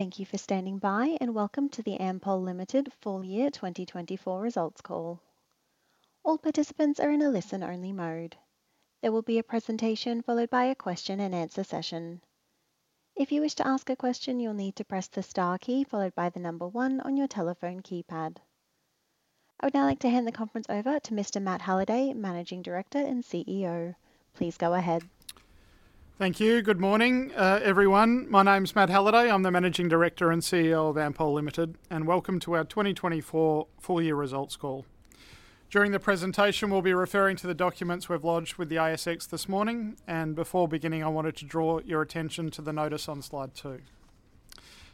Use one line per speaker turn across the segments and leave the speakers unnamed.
Thank you for standing by, and welcome to the Ampol Limited Full Year 2024 Results Call. All participants are in a listen-only mode. There will be a presentation followed by a question-and-answer session. If you wish to ask a question, you'll need to press the star key followed by the number one on your telephone keypad. I would now like to hand the conference over to Mr. Matt Halliday, Managing Director and CEO. Please go ahead.
Thank you. Good morning, everyone. My name's Matt Halliday. I'm the Managing Director and CEO of Ampol Limited, and welcome to our 2024 Full Year Results Call. During the presentation, we'll be referring to the documents we've lodged with the ASX this morning, and before beginning, I wanted to draw your attention to the notice on slide two.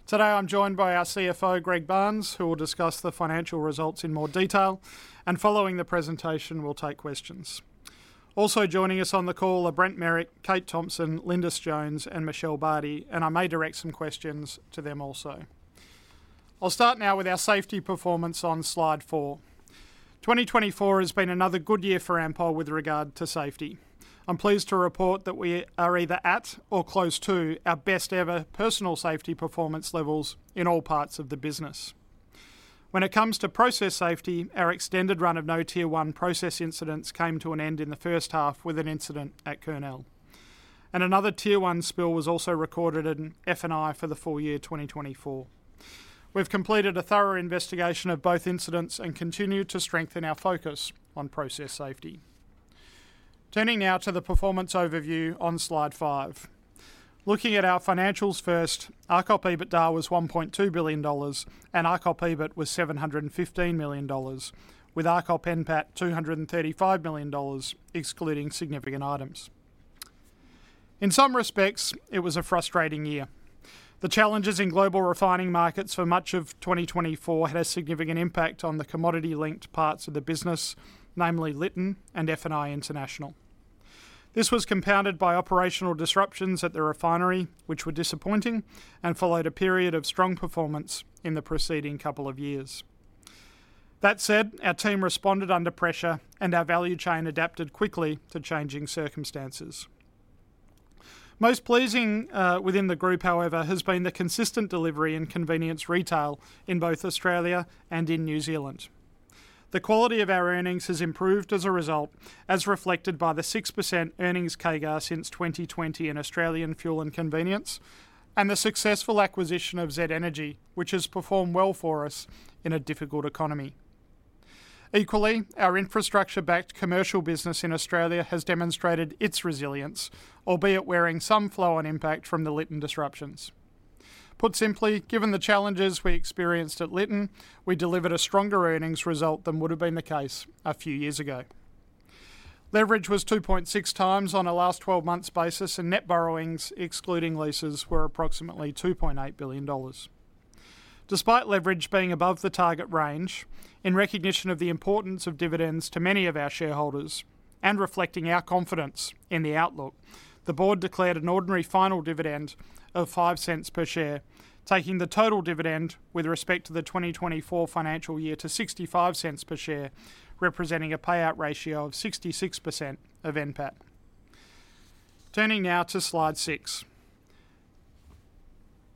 Today, I'm joined by our CFO, Greg Barnes, who will discuss the financial results in more detail, and following the presentation, we'll take questions. Also joining us on the call are Brent Merrick, Kate Thomson, Lindis Jones, and Michele Bardy, and I may direct some questions to them also. I'll start now with our safety performance on slide four. 2024 has been another good year for Ampol with regard to safety. I'm pleased to report that we are either at or close to our best-ever personal safety performance levels in all parts of the business. When it comes to process safety, our extended run of no Tier 1 process incidents came to an end in the first half with an incident at Kurnell, and another Tier 1 spill was also recorded in F&I for the full year 2024. We've completed a thorough investigation of both incidents and continue to strengthen our focus on process safety. Turning now to the performance overview on slide five, looking at our financials first, our RCOP EBITDA was 1.2 billion dollars, and our RCOP EBIT was 715 million dollars, with our RCOP NPAT 235 million dollars, excluding significant items. In some respects, it was a frustrating year. The challenges in global refining markets for much of 2024 had a significant impact on the commodity-linked parts of the business, namely Lytton and F&I International. This was compounded by operational disruptions at the refinery, which were disappointing, and followed a period of strong performance in the preceding couple of years. That said, our team responded under pressure, and our value chain adapted quickly to changing circumstances. Most pleasing within the group, however, has been the consistent delivery and convenience retail in both Australia and in New Zealand. The quality of our earnings has improved as a result, as reflected by the 6% earnings CAGR since 2020 in Australian fuel and convenience, and the successful acquisition of Z Energy, which has performed well for us in a difficult economy. Equally, our infrastructure-backed commercial business in Australia has demonstrated its resilience, albeit wearing some flow-on impact from the Lytton disruptions. Put simply, given the challenges we experienced at Lytton, we delivered a stronger earnings result than would have been the case a few years ago. Leverage was 2.6 times on a last 12-month basis, and net borrowings, excluding leases, were approximately 2.8 billion dollars. Despite leverage being above the target range, in recognition of the importance of dividends to many of our shareholders and reflecting our confidence in the outlook, the board declared an ordinary final dividend of 0.05 per share, taking the total dividend with respect to the 2024 financial year to 0.65 per share, representing a payout ratio of 66% of NPAT. Turning now to slide six,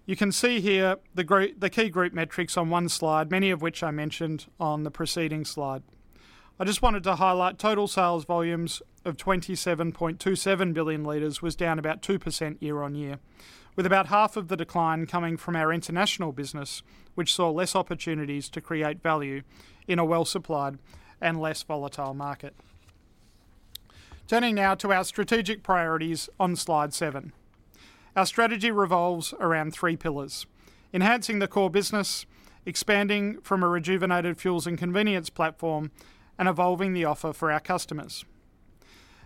you can see here the key group metrics on one slide, many of which I mentioned on the preceding slide. I just wanted to highlight total sales volumes of 27.27 billion L, which was down about 2% year-on-year, with about half of the decline coming from our international business, which saw less opportunities to create value in a well-supplied and less volatile market. Turning now to our strategic priorities on slide seven, our strategy revolves around three pillars: enhancing the core business, expanding from a rejuvenated fuels and convenience platform, and evolving the offer for our customers.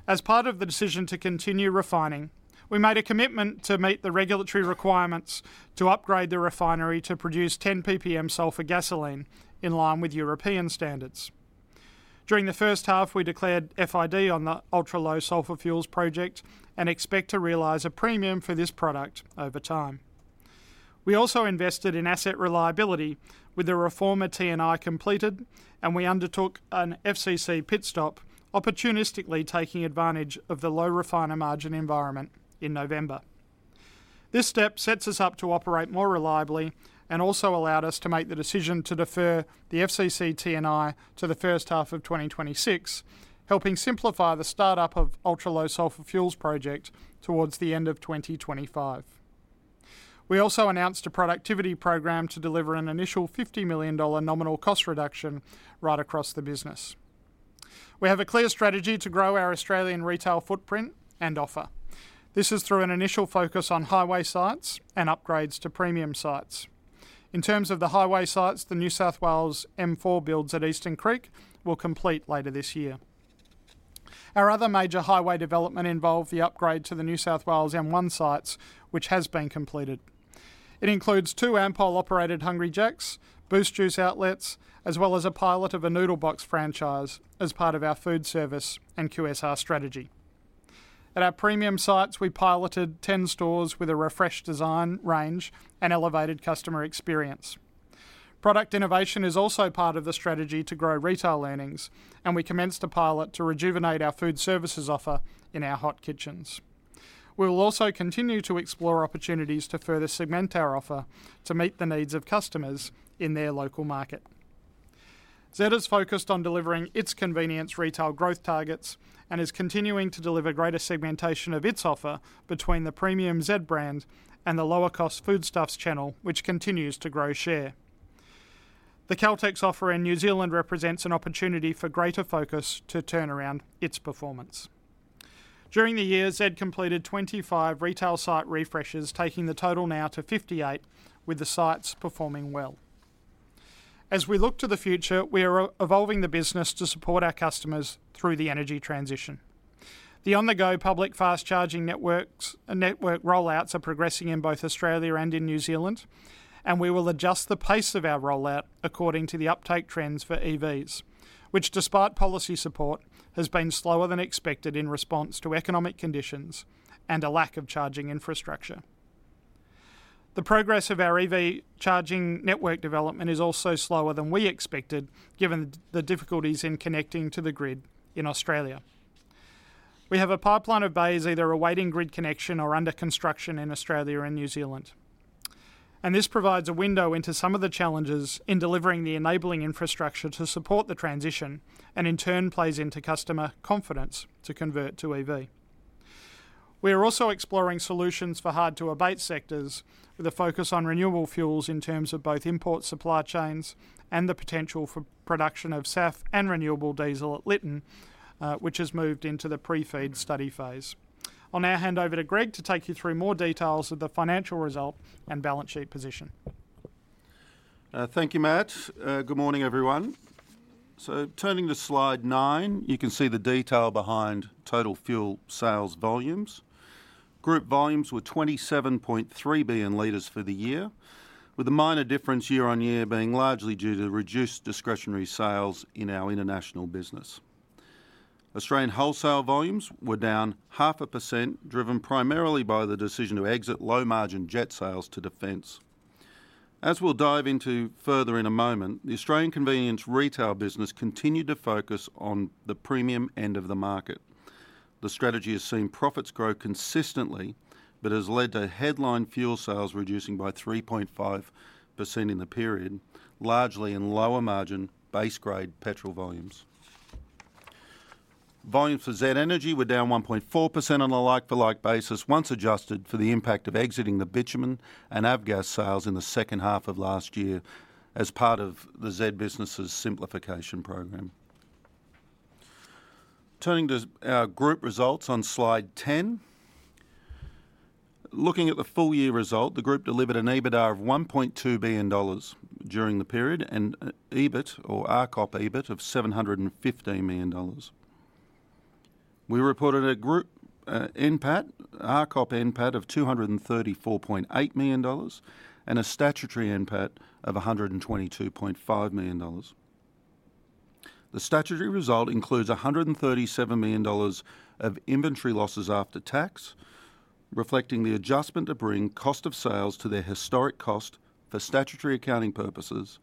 As part of the decision to continue refining, we made a commitment to meet the regulatory requirements to upgrade the refinery to produce 10 ppm sulfur gasoline in line with European standards. During the first half, we declared FID on the Ultra Low Sulphur Fuels Project and expect to realize a premium for this product over time. We also invested in asset reliability with the reformer T&I completed, and we undertook an FCC pit stop, opportunistically taking advantage of the low refiner margin environment in November. This step sets us up to operate more reliably and also allowed us to make the decision to defer the FCC T&I to the first half of 2026, helping simplify the start-up of the Ultra Low Sulphur Fuels Project towards the end of 2025. We also announced a productivity program to deliver an initial 50 million dollar nominal cost reduction right across the business. We have a clear strategy to grow our Australian retail footprint and offer. This is through an initial focus on highway sites and upgrades to premium sites. In terms of the highway sites, the New South Wales M4 builds at Eastern Creek will complete later this year. Our other major highway development involved the upgrade to the New South Wales M1 sites, which has been completed. It includes two Ampol-operated Hungry Jack's, Boost Juice outlets, as well as a pilot of a Noodle Box franchise as part of our food service and QSR strategy. At our premium sites, we piloted 10 stores with a refreshed design range and elevated customer experience. Product innovation is also part of the strategy to grow retail earnings, and we commenced a pilot to rejuvenate our food services offer in our hot kitchens. We will also continue to explore opportunities to further segment our offer to meet the needs of customers in their local market. Z has focused on delivering its convenience retail growth targets and is continuing to deliver greater segmentation of its offer between the premium Z brand and the lower-cost Foodstuffs channel, which continues to grow share. The Caltex offer in New Zealand represents an opportunity for greater focus to turn around its performance. During the year, Z completed 25 retail site refreshes, taking the total now to 58, with the sites performing well. As we look to the future, we are evolving the business to support our customers through the energy transition. The on-the-go public fast charging networks and network rollouts are progressing in both Australia and in New Zealand, and we will adjust the pace of our rollout according to the uptake trends for EVs, which, despite policy support, has been slower than expected in response to economic conditions and a lack of charging infrastructure. The progress of our EV charging network development is also slower than we expected, given the difficulties in connecting to the grid in Australia. We have a pipeline of bays either awaiting grid connection or under construction in Australia and New Zealand, and this provides a window into some of the challenges in delivering the enabling infrastructure to support the transition and, in turn, plays into customer confidence to convert to EV. We are also exploring solutions for hard-to-abate sectors with a focus on renewable fuels in terms of both import supply chains and the potential for production of SAF and renewable diesel at Lytton, which has moved into the pre-FEED study phase. I'll now hand over to Greg to take you through more details of the financial result and balance sheet position.
Thank you, Matt. Good morning, everyone. So turning to slide nine, you can see the detail behind total fuel sales volumes. Group volumes were 27.3 billion L for the year, with the minor difference year on year being largely due to reduced discretionary sales in our international business. Australian wholesale volumes were down 0.5%, driven primarily by the decision to exit low-margin jet sales to defence. As we'll dive into further in a moment, the Australian convenience retail business continued to focus on the premium end of the market. The strategy has seen profits grow consistently but has led to headline fuel sales reducing by 3.5% in the period, largely in lower-margin base-grade petrol volumes. Volumes for Z Energy were down 1.4% on a like-for-like basis, once adjusted for the impact of exiting the bitumen and avgas sales in the second half of last year as part of the Z business's simplification program. Turning to our group results on slide 10, looking at the full-year result, the group delivered an EBITDA of $1.2 billion during the period and EBIT or our RCOP EBIT of $715 million. We reported a RCOP NPAT of $234.8 million and a statutory NPAT of $122.5 million. The statutory result includes $137 million of inventory losses after tax, reflecting the adjustment to bring cost of sales to their historic cost for statutory accounting purposes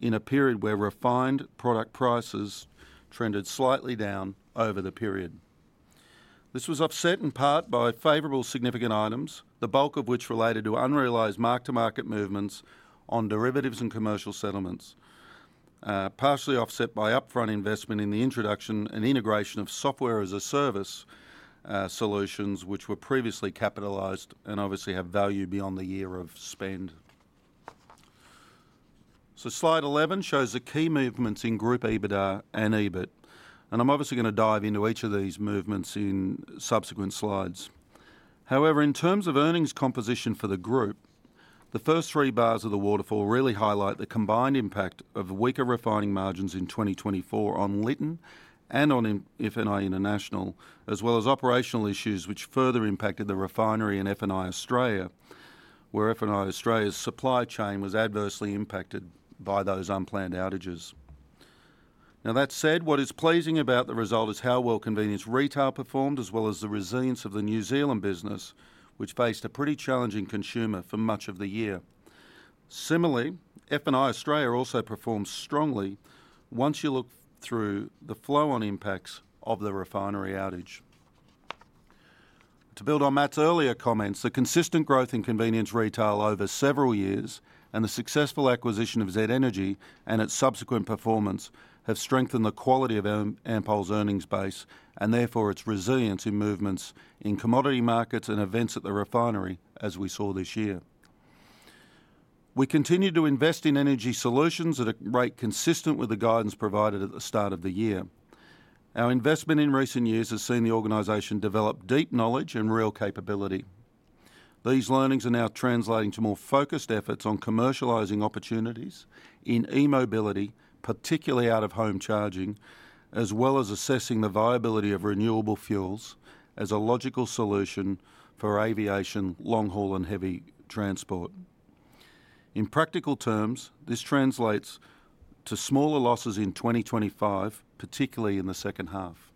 in a period where refined product prices trended slightly down over the period. This was offset in part by favorable significant items, the bulk of which related to unrealize mark-to-market movements on derivatives and commercial settlements, partially offset by upfront investment in the introduction and integration of software-as-a-service solutions, which were previously capitalize and obviously have value beyond the year of spend. Slide 11 shows the key movements in group EBITDA and EBIT, and I'm obviously going to dive into each of these movements in subsequent slides. However, in terms of earnings composition for the group, the first three bars of the waterfall really highlight the combined impact of weaker refining margins in 2024 on Lytton and on F&I International, as well as operational issues which further impacted the refinery in F&I Australia, where F&I Australia's supply chain was adversely impacted by those unplanned outages. Now, that said, what is pleasing about the result is how well convenience retail performed, as well as the resilience of the New Zealand business, which faced a pretty challenging consumer for much of the year. Similarly, F&I Australia also performed strongly once you look through the flow-on impacts of the refinery outage. To build on Matt's earlier comments, the consistent growth in convenience retail over several years and the successful acquisition of Z Energy and its subsequent performance have strengthened the quality of Ampol's earnings base and therefore its resilience in movements in commodity markets and events at the refinery, as we saw this year. We continue to invest in Energy Solutions at a rate consistent with the guidance provided at the start of the year. Our investment in recent years has seen the organisation develop deep knowledge and real capability. These learnings are now translating to more focused efforts on commercializing opportunities in e-mobility, particularly out-of-home charging, as well as assessing the viability of renewable fuels as a logical solution for aviation, long-haul, and heavy transport. In practical terms, this translates to smaller losses in 2025, particularly in the second half.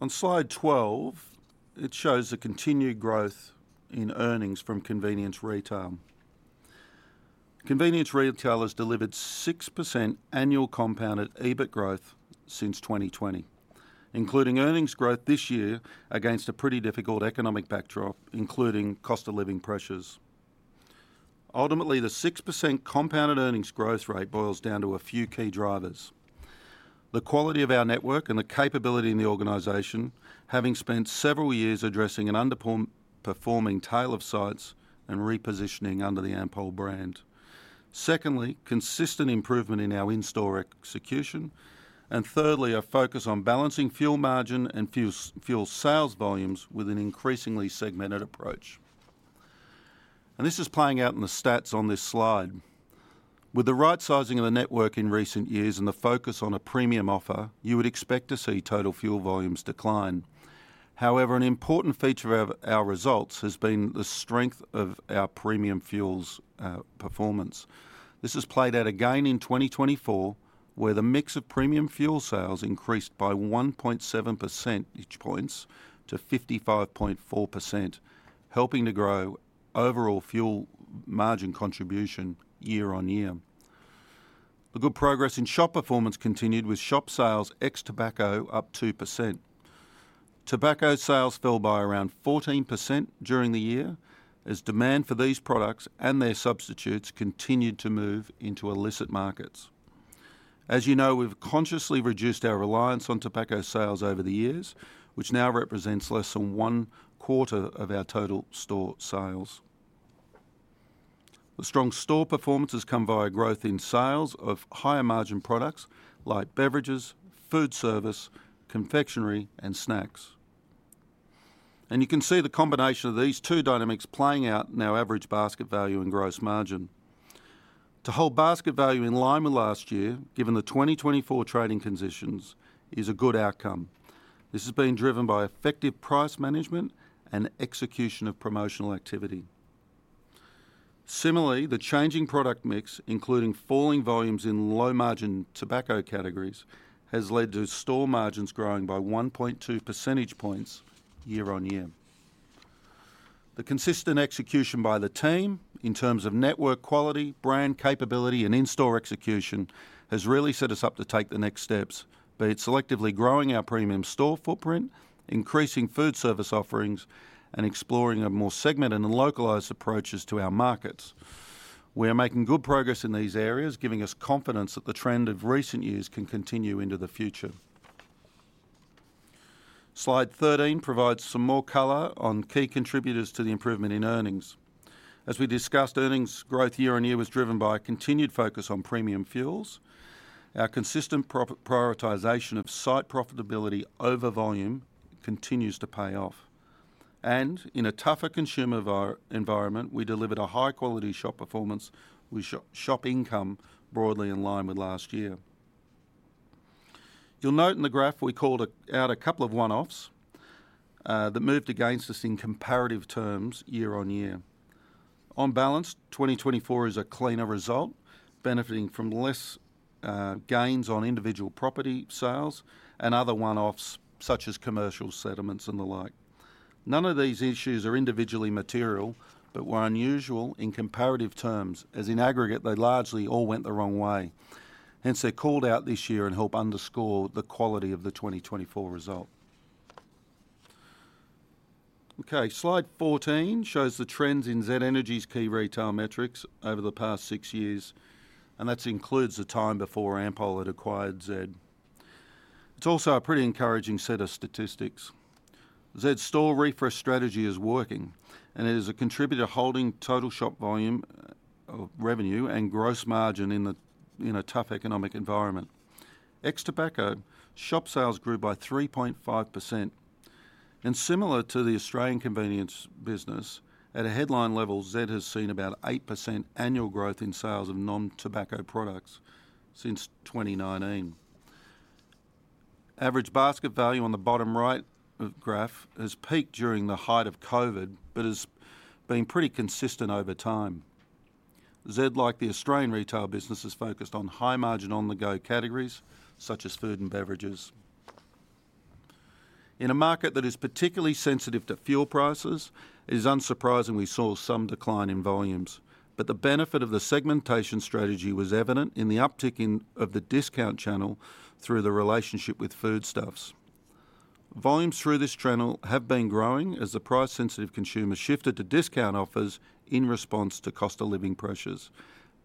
On slide 12, it shows the continued growth in earnings from convenience retail. Convenience retail has delivered 6% annual compounded EBIT growth since 2020, including earnings growth this year against a pretty difficult economic backdrop, including cost of living pressures. Ultimately, the 6% compounded earnings growth rate boils down to a few key drivers: the quality of our network and the capability in the organization, having spent several years addressing an underperforming tail of sites and repositioning under the Ampol brand. Secondly, consistent improvement in our in-store execution. And thirdly, a focus on balancing fuel margin and fuel sales volumes with an increasingly segmented approach. And this is playing out in the stats on this slide. With the right sizing of the network in recent years and the focus on a premium offer, you would expect to see total fuel volumes decline. However, an important feature of our results has been the strength of our premium fuels performance. This has played out again in 2024, where the mix of premium fuel sales increased by 1.7% points to 55.4%, helping to grow overall fuel margin contribution year-on-year. The good progress in shop performance continued, with shop sales ex-tobacco up 2%. Tobacco sales fell by around 14% during the year as demand for these products and their substitutes continued to move into illicit markets. As you know, we've consciously reduced our reliance on tobacco sales over the years, which now represents less than one quarter of our total store sales. The strong store performance has come via growth in sales of higher-margin products like beverages, food service, confectionery, and snacks. And you can see the combination of these two dynamics playing out in our average basket value and gross margin. To hold basket value in line with last year, given the 2024 trading conditions, is a good outcome. This has been driven by effective price management and execution of promotional activity. Similarly, the changing product mix, including falling volumes in low-margin tobacco categories, has led to store margins growing by 1.2% points year on year. The consistent execution by the team in terms of network quality, brand capability, and in-store execution has really set us up to take the next steps, be it selectively growing our premium store footprint, increasing food service offerings, and exploring a more segmented and localized approaches to our markets. We are making good progress in these areas, giving us confidence that the trend of recent years can continue into the future. Slide 13 provides some more color on key contributors to the improvement in earnings. As we discussed, earnings growth year on year was driven by a continued focus on premium fuels. Our consistent prioritization of site profitability over volume continues to pay off. In a tougher consumer environment, we delivered a high-quality shop performance with shop income broadly in line with last year. You'll note in the graph we called out a couple of one-offs that moved against us in comparative terms year on year. On balance, 2024 is a cleaner result, benefiting from less gains on individual property sales and other one-offs such as commercial settlements and the like. None of these issues are individually material, but were unusual in comparative terms. As in aggregate, they largely all went the wrong way. Hence, they're called out this year and help underscore the quality of the 2024 result. Okay, slide 14 shows the trends in Z Energy's key retail metrics over the past six years, and that includes the time before Ampol had acquired Z. It's also a pretty encouraging set of statistics. Z's store refresh strategy is working, and it is a contributor holding total shop volume revenue and gross margin in a tough economic environment. Ex-tobacco shop sales grew by 3.5%. And similar to the Australian convenience business, at a headline level, Z has seen about 8% annual growth in sales of non-tobacco products since 2019. Average basket value on the bottom right of graph has peaked during the height of COVID but has been pretty consistent over time. Z, like the Australian retail business, is focused on high-margin on-the-go categories such as food and beverages. In a market that is particularly sensitive to fuel prices, it is unsurprising we saw some decline in volumes, but the benefit of the segmentation strategy was evident in the uptick of the discount channel through the relationship with Foodstuffs. Volumes through this channel have been growing as the price-sensitive consumer shifted to discount offers in response to cost of living pressures.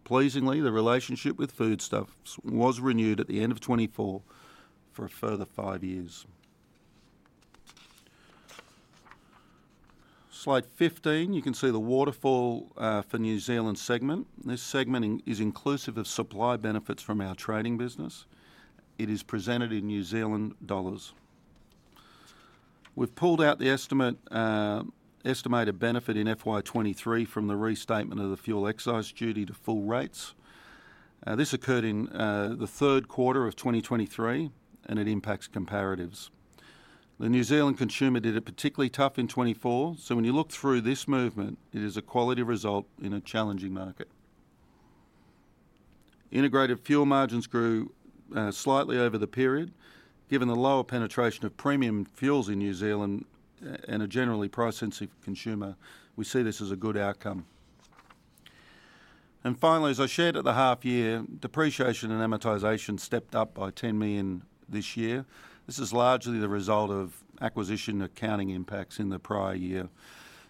Pleasingly, the relationship with Foodstuffs was renewed at the end of 2024 for a further five years. Slide 15, you can see the waterfall for New Zealand segment. This segment is inclusive of supply benefits from our trading business. It is presented in New Zealand dollars. We've pulled out the estimated benefit in FY 23 from the restatement of the fuel excise duty to full rates. This occurred in the third quarter of 2023, and it impacts comparatives. The New Zealand consumer did it particularly tough in 2024, so when you look through this movement, it is a quality result in a challenging market. Integrated fuel margins grew slightly over the period. Given the lower penetration of premium fuels in New Zealand and a generally price-sensitive consumer, we see this as a good outcome. And finally, as I shared at the half year, depreciation and amortization stepped up by 10 million this year. This is largely the result of acquisition accounting impacts in the prior year.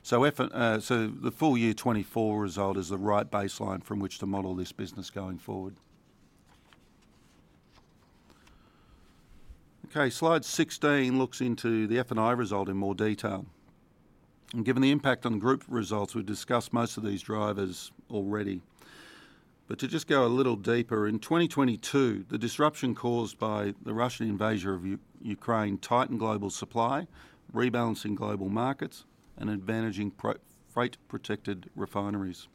So the full year 2024 result is the right baseline from which to model this business going forward. Okay, slide 16 looks into the F&I result in more detail. And given the impact on group results, we've discussed most of these drivers already. But to just go a little deeper, in 2022, the disruption caused by the Russian invasion of Ukraine tightened global supply, rebalancing global markets, and advantaging freight-protected refineries.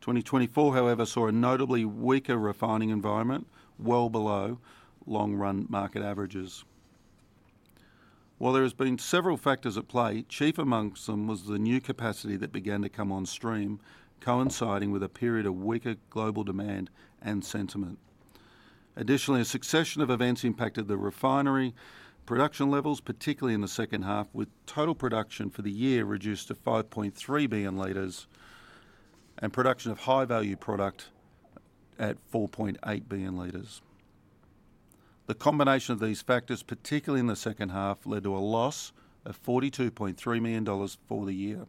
2024, however, saw a notably weaker refining environment, well below long-run market averages. While there have been several factors at play, chief among them was the new capacity that began to come on stream, coinciding with a period of weaker global demand and sentiment. Additionally, a succession of events impacted the refinery production levels, particularly in the second half, with total production for the year reduced to 5.3 billion L and production of high-value product at 4.8 billion L. The combination of these factors, particularly in the second half, led to a loss of 42.3 million dollars for the year.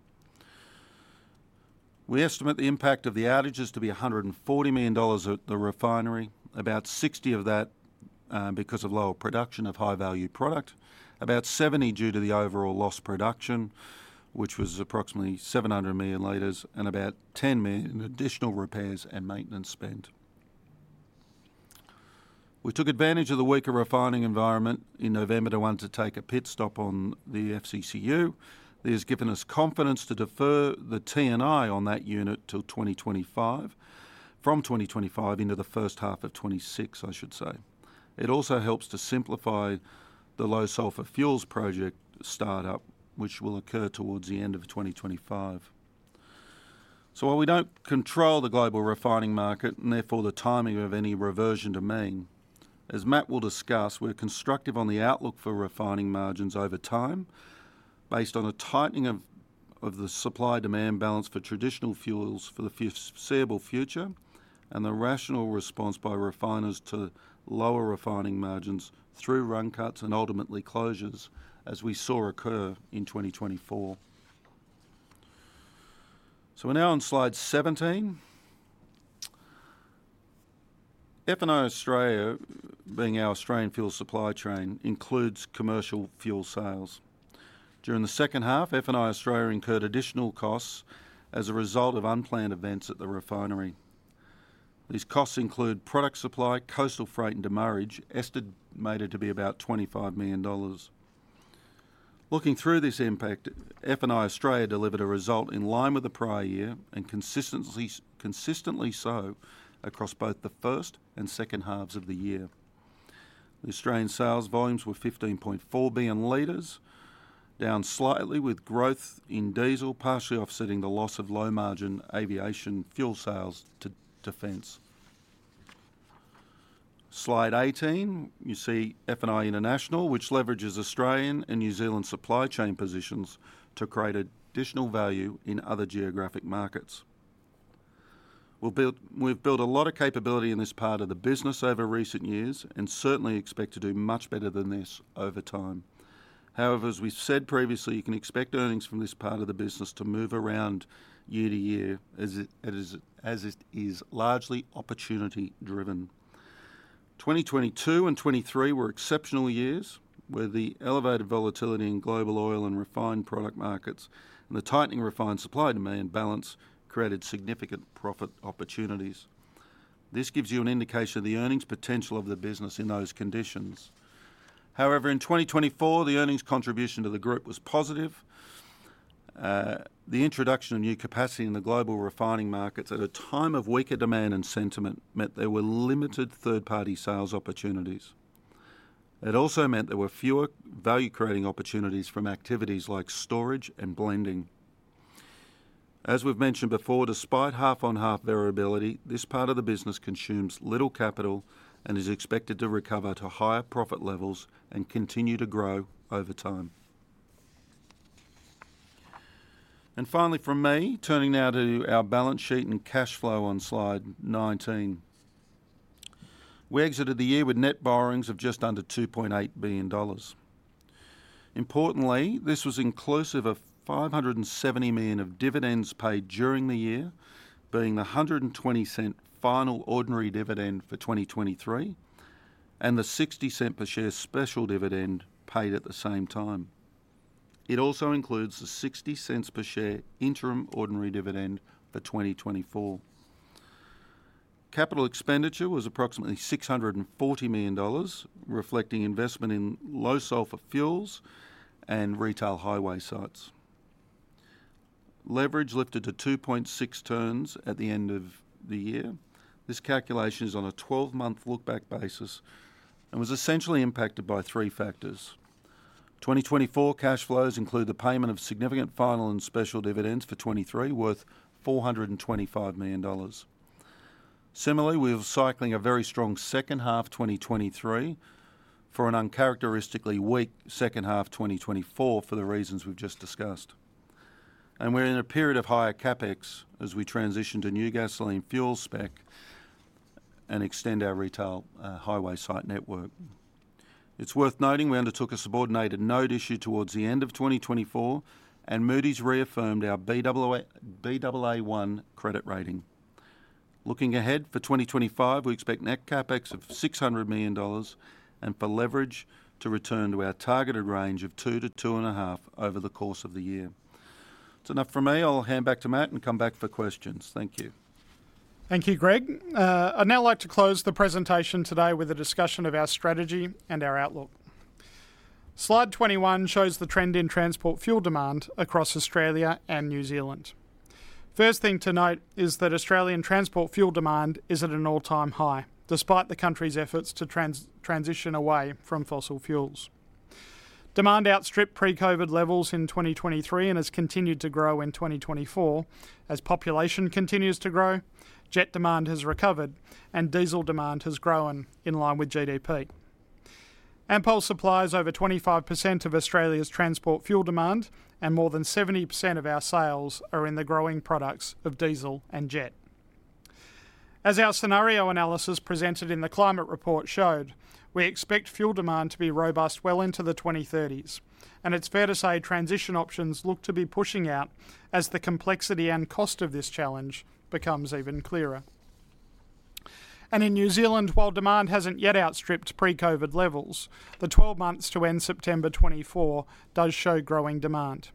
We estimate the impact of the outages to be 140 million dollars at the refinery, about 60 of that because of lower production of high-value product, about 70 due to the overall lost production, which was approximately 700 million L, and about 10 million additional repairs and maintenance spent. We took advantage of the weaker refining environment in November to want to take a pit stop on the FCCU. This has given us confidence to defer the T&I on that unit till 2025, from 2025 into the first half of 2026, I should say. It also helps to simplify the low sulphur fuels project startup, which will occur towards the end of 2025. While we don't control the global refining market and therefore the timing of any reversion to mean, as Matt will discuss, we're constructive on the outlook for refining margins over time based on a tightening of the supply-demand balance for traditional fuels for the foreseeable future and the rational response by refiners to lower refining margins through run cuts and ultimately closures, as we saw occur in 2024. We're now on slide 17. F&I Australia, being our Australian fuel supply chain, includes commercial fuel sales. During the second half, F&I Australia incurred additional costs as a result of unplanned events at the refinery. These costs include product supply, coastal freight, and demurrage, estimated to be about 25 million dollars. Looking through this impact, F&I Australia delivered a result in line with the prior year and consistently so across both the first and second halves of the year. The Australian sales volumes were 15.4 billion litres, down slightly with growth in diesel partially offsetting the loss of low-margin aviation fuel sales to defence. Slide 18, you see F&I International, which leverages Australian and New Zealand supply chain positions to create additional value in other geographic markets. We've built a lot of capability in this part of the business over recent years and certainly expect to do much better than this over time. However, as we've said previously, you can expect earnings from this part of the business to move around year to year as it is largely opportunity-driven. 2022 and 2023 were exceptional years with the elevated volatility in global oil and refined product markets, and the tightening refined supply-demand balance created significant profit opportunities. This gives you an indication of the earnings potential of the business in those conditions. However, in 2024, the earnings contribution to the group was positive. The introduction of new capacity in the global refining markets at a time of weaker demand and sentiment meant there were limited third-party sales opportunities. It also meant there were fewer value-creating opportunities from activities like storage and blending. As we've mentioned before, despite half-on-half variability, this part of the business consumes little capital and is expected to recover to higher profit levels and continue to grow over time. Finally, from me, turning now to our balance sheet and cash flow on slide 19. We exited the year with net borrowings of just under 2.8 billion dollars. Importantly, this was inclusive of 570 million of dividends paid during the year, being the 1.20 final ordinary dividend for 2023 and the 0.60 per share special dividend paid at the same time. It also includes the 0.60 per share interim ordinary dividend for 2024. Capital expenditure was approximately 640 million dollars, reflecting investment in low sulphur fuels and retail highway sites. Leverage lifted to 2.6 turns at the end of the year. This calculation is on a 12-month lookback basis and was essentially impacted by three factors. 2024 cash flows include the payment of significant final and special dividends for 2023 worth 425 million dollars. Similarly, we were cycling a very strong second half 2023 for an uncharacteristically weak second half 2024 for the reasons we've just discussed. And we're in a period of higher CapEx as we transition to new gasoline fuel spec and extend our retail highway site network. It's worth noting we undertook a subordinated note issued towards the end of 2024, and Moody's reaffirmed our Baa1 credit rating. Looking ahead for 2025, we expect net CapEx of 600 million dollars and for leverage to return to our targeted range of two to two and a half over the course of the year. That's enough for me. I'll hand back to Matt and come back for questions. Thank you.
Thank you, Greg. I'd now like to close the presentation today with a discussion of our strategy and our outlook. Slide 21 shows the trend in transport fuel demand across Australia and New Zealand. First thing to note is that Australian transport fuel demand is at an all-time high, despite the country's efforts to transition away from fossil fuels. Demand outstripped pre-COVID levels in 2023 and has continued to grow in 2024 as population continues to grow, jet demand has recovered, and diesel demand has grown in line with GDP. Ampol supplies over 25% of Australia's transport fuel demand, and more than 70% of our sales are in the growing products of diesel and jet. As our scenario analysis presented in the climate report showed, we expect fuel demand to be robust well into the 2030s. And it's fair to say transition options look to be pushing out as the complexity and cost of this challenge becomes even clearer. And in New Zealand, while demand hasn't yet outstripped pre-COVID levels, the 12 months to end September 2024 does show growing demand.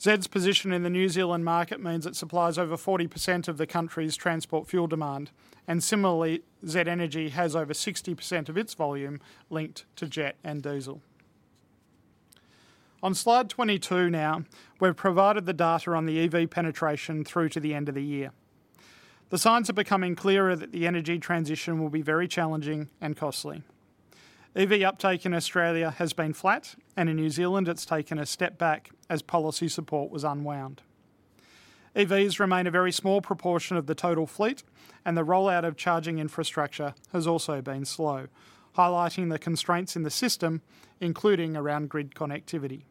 Z's position in the New Zealand market means it supplies over 40% of the country's transport fuel demand, and similarly, Z Energy has over 60% of its volume linked to jet and diesel. On slide 22 now, we've provided the data on the EV penetration through to the end of the year. The signs are becoming clearer that the energy transition will be very challenging and costly. EV uptake in Australia has been flat, and in New Zealand, it's taken a step back as policy support was unwound. EVs remain a very small proportion of the total fleet, and the rollout of charging infrastructure has also been slow, highlighting the constraints in the system, including around grid connectivity.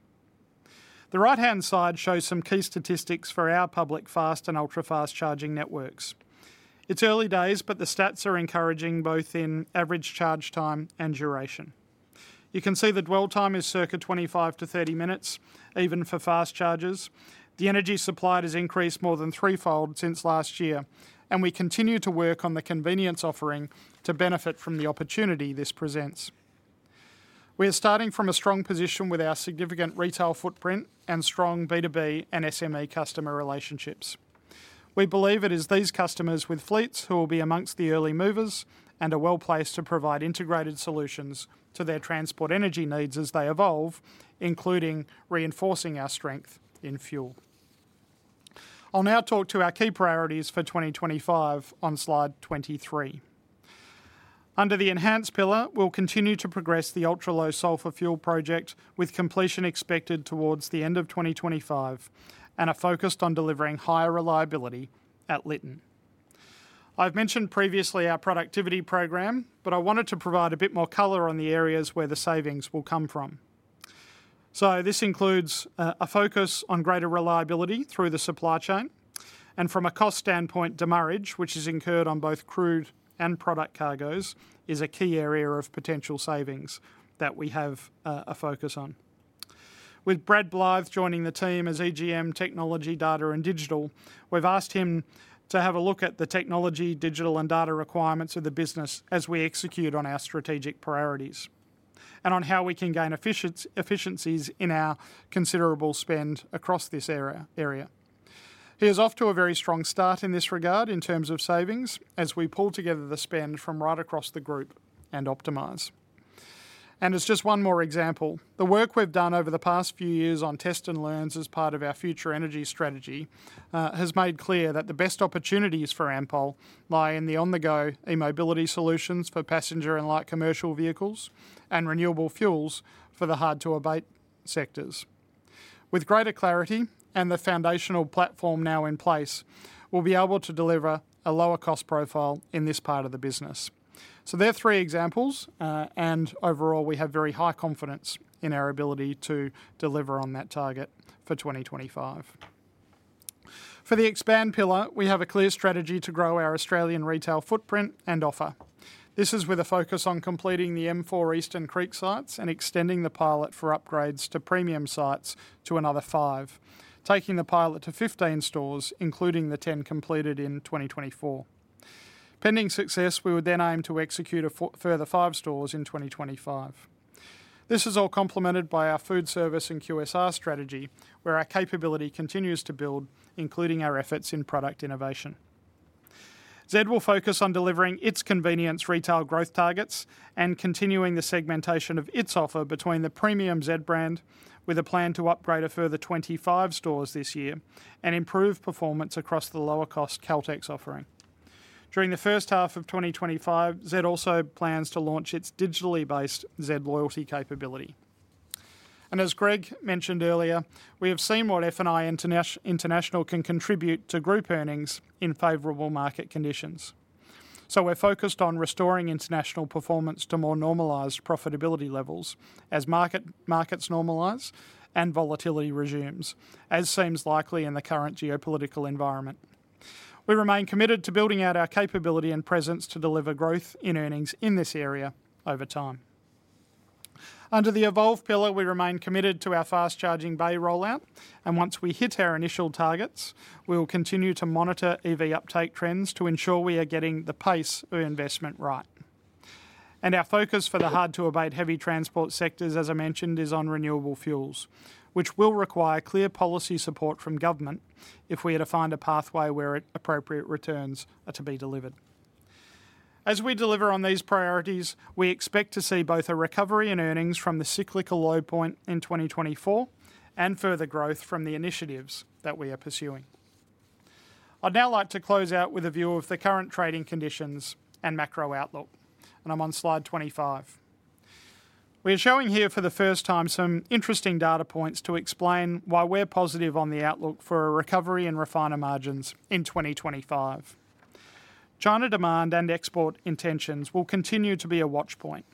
The right-hand side shows some key statistics for our public fast and ultra-fast charging networks. It's early days, but the stats are encouraging both in average charge time and duration. You can see the dwell time is circa 25-30 minutes, even for fast chargers. The energy supplied has increased more than threefold since last year, and we continue to work on the convenience offering to benefit from the opportunity this presents. We are starting from a strong position with our significant retail footprint and strong B2B and SME customer relationships. We believe it is these customers with fleets who will be amongst the early movers and are well placed to provide integrated solutions to their transport energy needs as they evolve, including reinforcing our strength in fuel. I'll now talk to our key priorities for 2025 on slide 23. Under the enhanced pillar, we'll continue to progress the Ultra Low sulphur Fuel Project with completion expected towards the end of 2025 and a focus on delivering higher reliability at Lytton. I've mentioned previously our productivity program, but I wanted to provide a bit more color on the areas where the savings will come from. So this includes a focus on greater reliability through the supply chain. And from a cost standpoint, demurrage, which is incurred on both crude and product cargoes, is a key area of potential savings that we have a focus on. With Brad Blyth joining the team as EGM Technology, Data, and Digital, we've asked him to have a look at the technology, digital, and data requirements of the business as we execute on our strategic priorities and on how we can gain efficiencies in our considerable spend across this area. He is off to a very strong start in this regard in terms of savings as we pull together the spend from right across the group and optimize. As just one more example, the work we've done over the past few years on test and learns as part of our future energy strategy has made clear that the best opportunities for Ampol lie in the on-the-go e-mobility solutions for passenger and light commercial vehicles and renewable fuels for the hard-to-abate sectors. With greater clarity and the foundational platform now in place, we'll be able to deliver a lower cost profile in this part of the business. So there are three examples, and overall, we have very high confidence in our ability to deliver on that target for 2025. For the expand pillar, we have a clear strategy to grow our Australian retail footprint and offer. This is with a focus on completing the M4 Eastern Creek sites and extending the pilot for upgrades to premium sites to another five, taking the pilot to 15 stores, including the 10 completed in 2024. Pending success, we would then aim to execute a further five stores in 2025. This is all complemented by our food service and QSR strategy, where our capability continues to build, including our efforts in product innovation. Z will focus on delivering its convenience retail growth targets and continuing the segmentation of its offer between the premium Z brand with a plan to upgrade a further 25 stores this year and improve performance across the lower-cost Caltex offering. During the first half of 2025, Z also plans to launch its digitally based Z loyalty capability. As Greg mentioned earlier, we have seen what F&I International can contribute to group earnings in favorable market conditions. We're focused on restoring international performance to more normalized profitability levels as markets normalize and volatility resumes, as seems likely in the current geopolitical environment. We remain committed to building out our capability and presence to deliver growth in earnings in this area over time. Under the evolve pillar, we remain committed to our fast charging bay rollout, and once we hit our initial targets, we will continue to monitor EV uptake trends to ensure we are getting the pace of investment right. Our focus for the hard-to-abate heavy transport sectors, as I mentioned, is on renewable fuels, which will require clear policy support from government if we are to find a pathway where appropriate returns are to be delivered. As we deliver on these priorities, we expect to see both a recovery in earnings from the cyclical low point in 2024 and further growth from the initiatives that we are pursuing. I'd now like to close out with a view of the current trading conditions and macro outlook, and I'm on slide 25. We are showing here for the first time some interesting data points to explain why we're positive on the outlook for a recovery in refiner margins in 2025. China demand and export intentions will continue to be a watch point,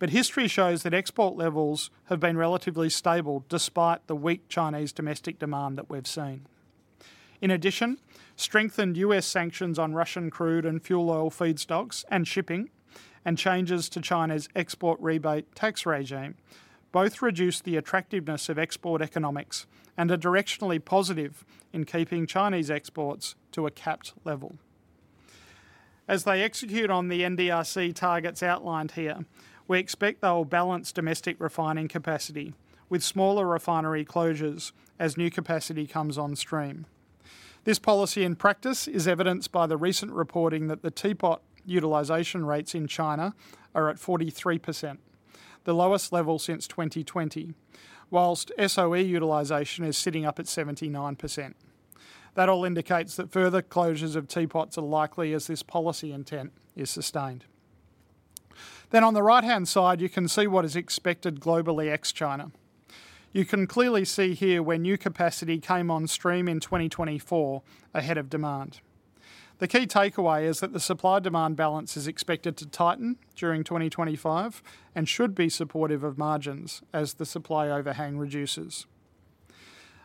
but history shows that export levels have been relatively stable despite the weak Chinese domestic demand that we've seen. In addition, strengthened U.S. sanctions on Russian crude and fuel oil feedstocks and shipping and changes to China's export rebate tax regime both reduce the attractiveness of export economics and are directionally positive in keeping Chinese exports to a capped level. As they execute on the NDRC targets outlined here, we expect they will balance domestic refining capacity with smaller refinery closures as new capacity comes on stream. This policy in practice is evidenced by the recent reporting that the teapot utilization rates in China are at 43%, the lowest level since 2020, while SOE utilization is sitting up at 79%. That all indicates that further closures of teapots are likely as this policy intent is sustained. Then on the right-hand side, you can see what is expected globally ex China. You can clearly see here where new capacity came on stream in 2024 ahead of demand. The key takeaway is that the supply-demand balance is expected to tighten during 2025 and should be supportive of margins as the supply overhang reduces.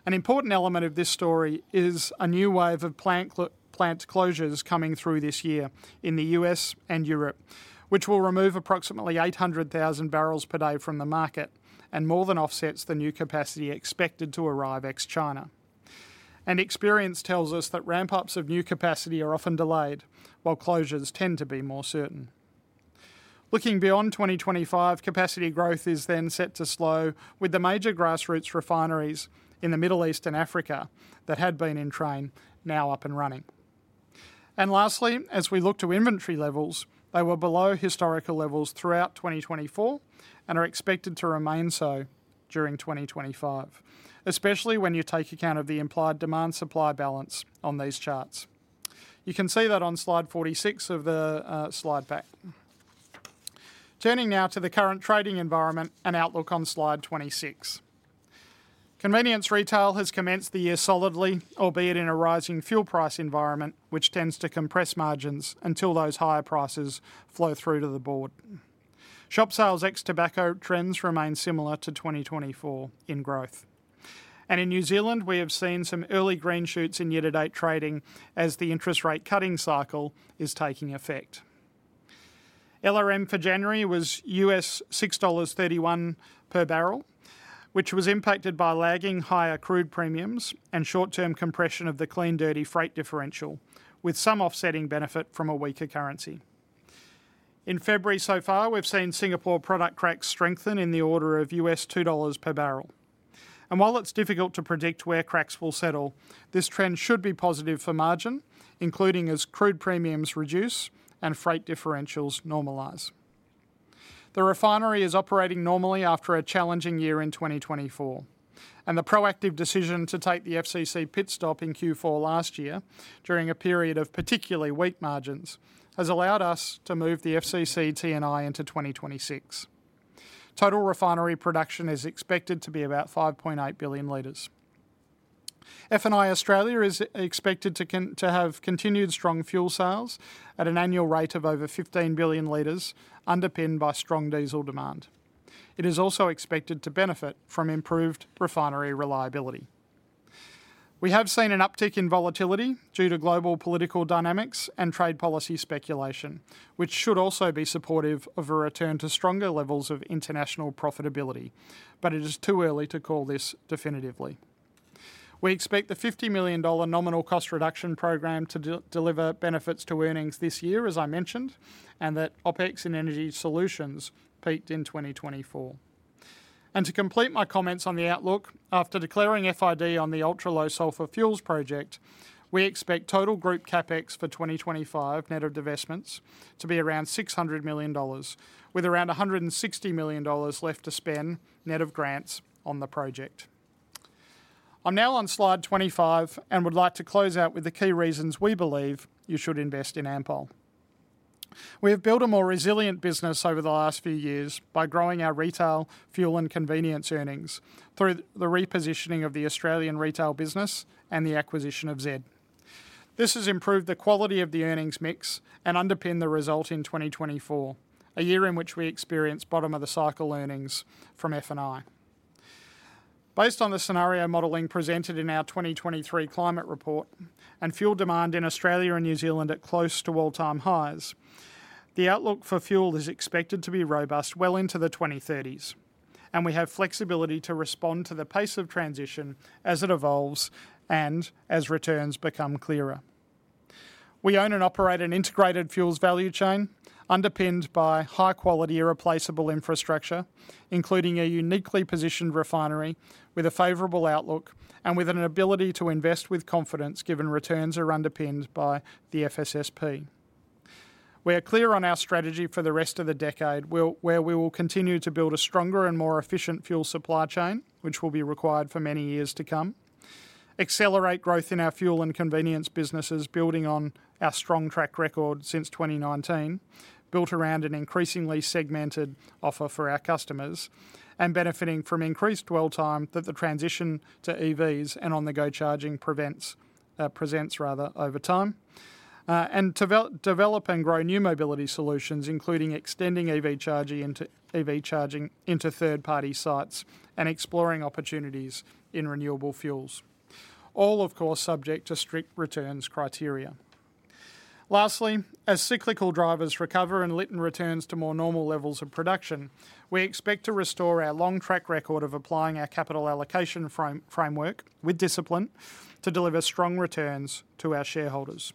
An important element of this story is a new wave of plant closures coming through this year in the U.S. and Europe, which will remove approximately 800,000 bbl per day from the market and more than offsets the new capacity expected to arrive ex-China, and experience tells us that ramp-ups of new capacity are often delayed while closures tend to be more certain. Looking beyond 2025, capacity growth is then set to slow with the major grassroots refineries in the Middle East and Africa that had been in train now up and running. Lastly, as we look to inventory levels, they were below historical levels throughout 2024 and are expected to remain so during 2025, especially when you take account of the implied demand-supply balance on these charts. You can see that on slide 46 of the slide pack. Turning now to the current trading environment and outlook on slide 26. Convenience retail has commenced the year solidly, albeit in a rising fuel price environment, which tends to compress margins until those higher prices flow through to the pump. Shop sales ex-tobacco trends remain similar to 2024 in growth. In New Zealand, we have seen some early green shoots in year-to-date trading as the interest rate cutting cycle is taking effect. LRM for January was $6.31 / bbl, which was impacted by lagging higher crude premiums and short-term compression of the clean dirty freight differential, with some offsetting benefit from a weaker currency. In February so far, we've seen Singapore product cracks strengthen in the order of $2/ bbl. And while it's difficult to predict where cracks will settle, this trend should be positive for margin, including as crude premiums reduce and freight differentials normalize. The refinery is operating normally after a challenging year in 2024, and the proactive decision to take the FCC pit stop in Q4 last year during a period of particularly weak margins has allowed us to move the FCC T&I into 2026. Total refinery production is expected to be about 5.8 billion L. F&I Australia is expected to have continued strong fuel sales at an annual rate of over 15 billion L, underpinned by strong diesel demand. It is also expected to benefit from improved refinery reliability. We have seen an uptick in volatility due to global political dynamics and trade policy speculation, which should also be supportive of a return to stronger levels of international profitability, but it is too early to call this definitively. We expect the 50 million dollar nominal cost reduction program to deliver benefits to earnings this year, as I mentioned, and that OpEx and Energy Solutions peaked in 2024, and to complete my comments on the outlook, after declaring FID on the Ultra Low Sulphur Fuels Project, we expect total group CapEx for 2025 net of divestments to be around 600 million dollars, with around 160 million dollars left to spend net of grants on the project. I'm now on slide 25 and would like to close out with the key reasons we believe you should invest in Ampol. We have built a more resilient business over the last few years by growing our retail, fuel, and convenience earnings through the repositioning of the Australian retail business and the acquisition of Z. This has improved the quality of the earnings mix and underpinned the result in 2024, a year in which we experienced bottom-of-the-cycle earnings from F&I. Based on the scenario modelling presented in our 2023 climate report and fuel demand in Australia and New Zealand at close to all-time highs, the outlook for fuel is expected to be robust well into the 2030s, and we have flexibility to respond to the pace of transition as it evolves and as returns become clearer. We own and operate an integrated fuels value chain underpinned by high-quality irreplaceable infrastructure, including a uniquely positioned refinery with a favorable outlook and with an ability to invest with confidence given returns are underpinned by the FSSP. We are clear on our strategy for the rest of the decade, where we will continue to build a stronger and more efficient fuel supply chain, which will be required for many years to come, accelerate growth in our fuel and convenience businesses building on our strong track record since 2019, built around an increasingly segmented offer for our customers, and benefiting from increased dwell time that the transition to EVs and on-the-go charging presents rather over time, and develop and grow new mobility solutions, including extending EV charging into third-party sites and exploring opportunities in renewable fuels, all, of course, subject to strict returns criteria. Lastly, as cyclical drivers recover and Lytton returns to more normal levels of production, we expect to restore our long track record of applying our capital allocation framework with discipline to deliver strong returns to our shareholders.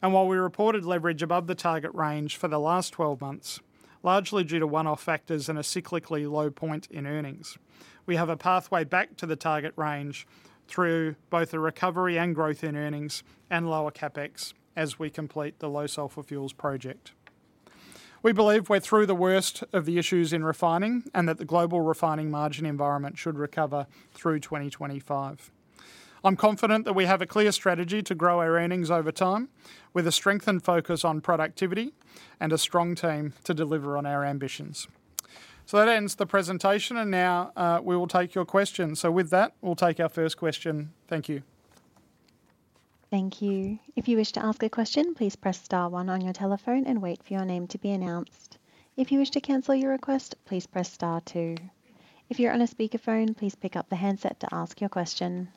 And while we reported leverage above the target range for the last 12 months, largely due to one-off factors and a cyclically low point in earnings, we have a pathway back to the target range through both a recovery and growth in earnings and lower CapEx as we complete the Low Sulphur Fuels Project. We believe we're through the worst of the issues in refining and that the global refining margin environment should recover through 2025. I'm confident that we have a clear strategy to grow our earnings over time with a strengthened focus on productivity and a strong team to deliver on our ambitions. So that ends the presentation, and now we will take your questions. So with that, we'll take our first question. Thank you.
Thank you. If you wish to ask a question, please press star one on your telephone and wait for your name to be announced. If you wish to cancel your request, please press star two. If you're on a speakerphone, please pick up the handset to ask your question.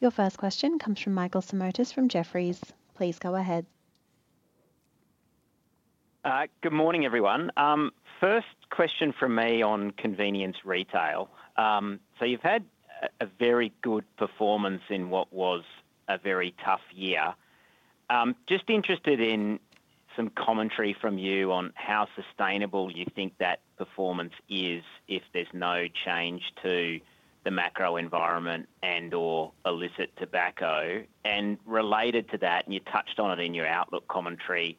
Your first question comes from Michael Simotas from Jefferies. Please go ahead.
Good morning, everyone. First question from me on convenience retail. So you've had a very good performance in what was a very tough year. Just interested in some commentary from you on how sustainable you think that performance is if there's no change to the macro environment and/or illicit tobacco. And related to that, and you touched on it in your outlook commentary,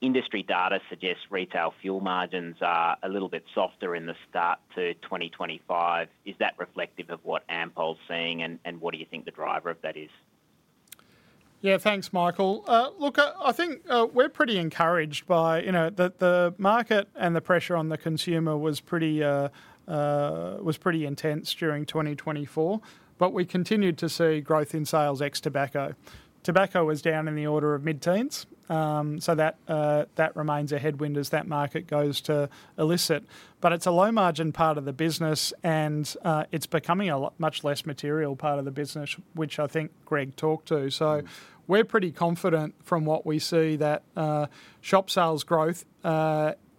industry data suggests retail fuel margins are a little bit softer in the start to 2025. Is that reflective of what Ampol is seeing, and what do you think the driver of that is?
Yeah, thanks, Michael. Look, I think we're pretty encouraged by the market and the pressure on the consumer was pretty intense during 2024, but we continued to see growth in sales ex tobacco. Tobacco was down in the order of mid-teens, so that remains a headwind as that market goes to illicit. But it's a low-margin part of the business, and it's becoming a much less material part of the business, which I think Greg talked to. We're pretty confident from what we see that shop sales growth,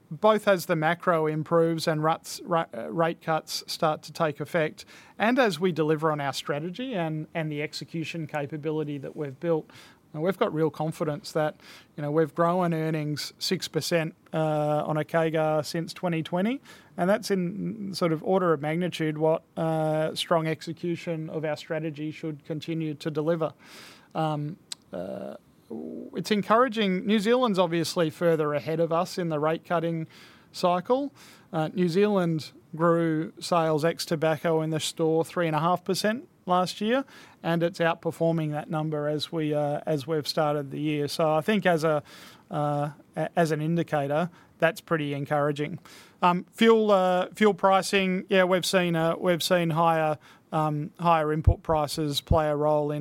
both as the macro improves and rate cuts start to take effect, and as we deliver on our strategy and the execution capability that we've built, we've got real confidence that we've grown earnings 6% on a CAGR since 2020, and that's in sort of order of magnitude what strong execution of our strategy should continue to deliver. It's encouraging. New Zealand's obviously further ahead of us in the rate cutting cycle. New Zealand grew sales ex tobacco in the store 3.5% last year, and it's outperforming that number as we've started the year. I think as an indicator, that's pretty encouraging. Fuel pricing, yeah, we've seen higher input prices play a role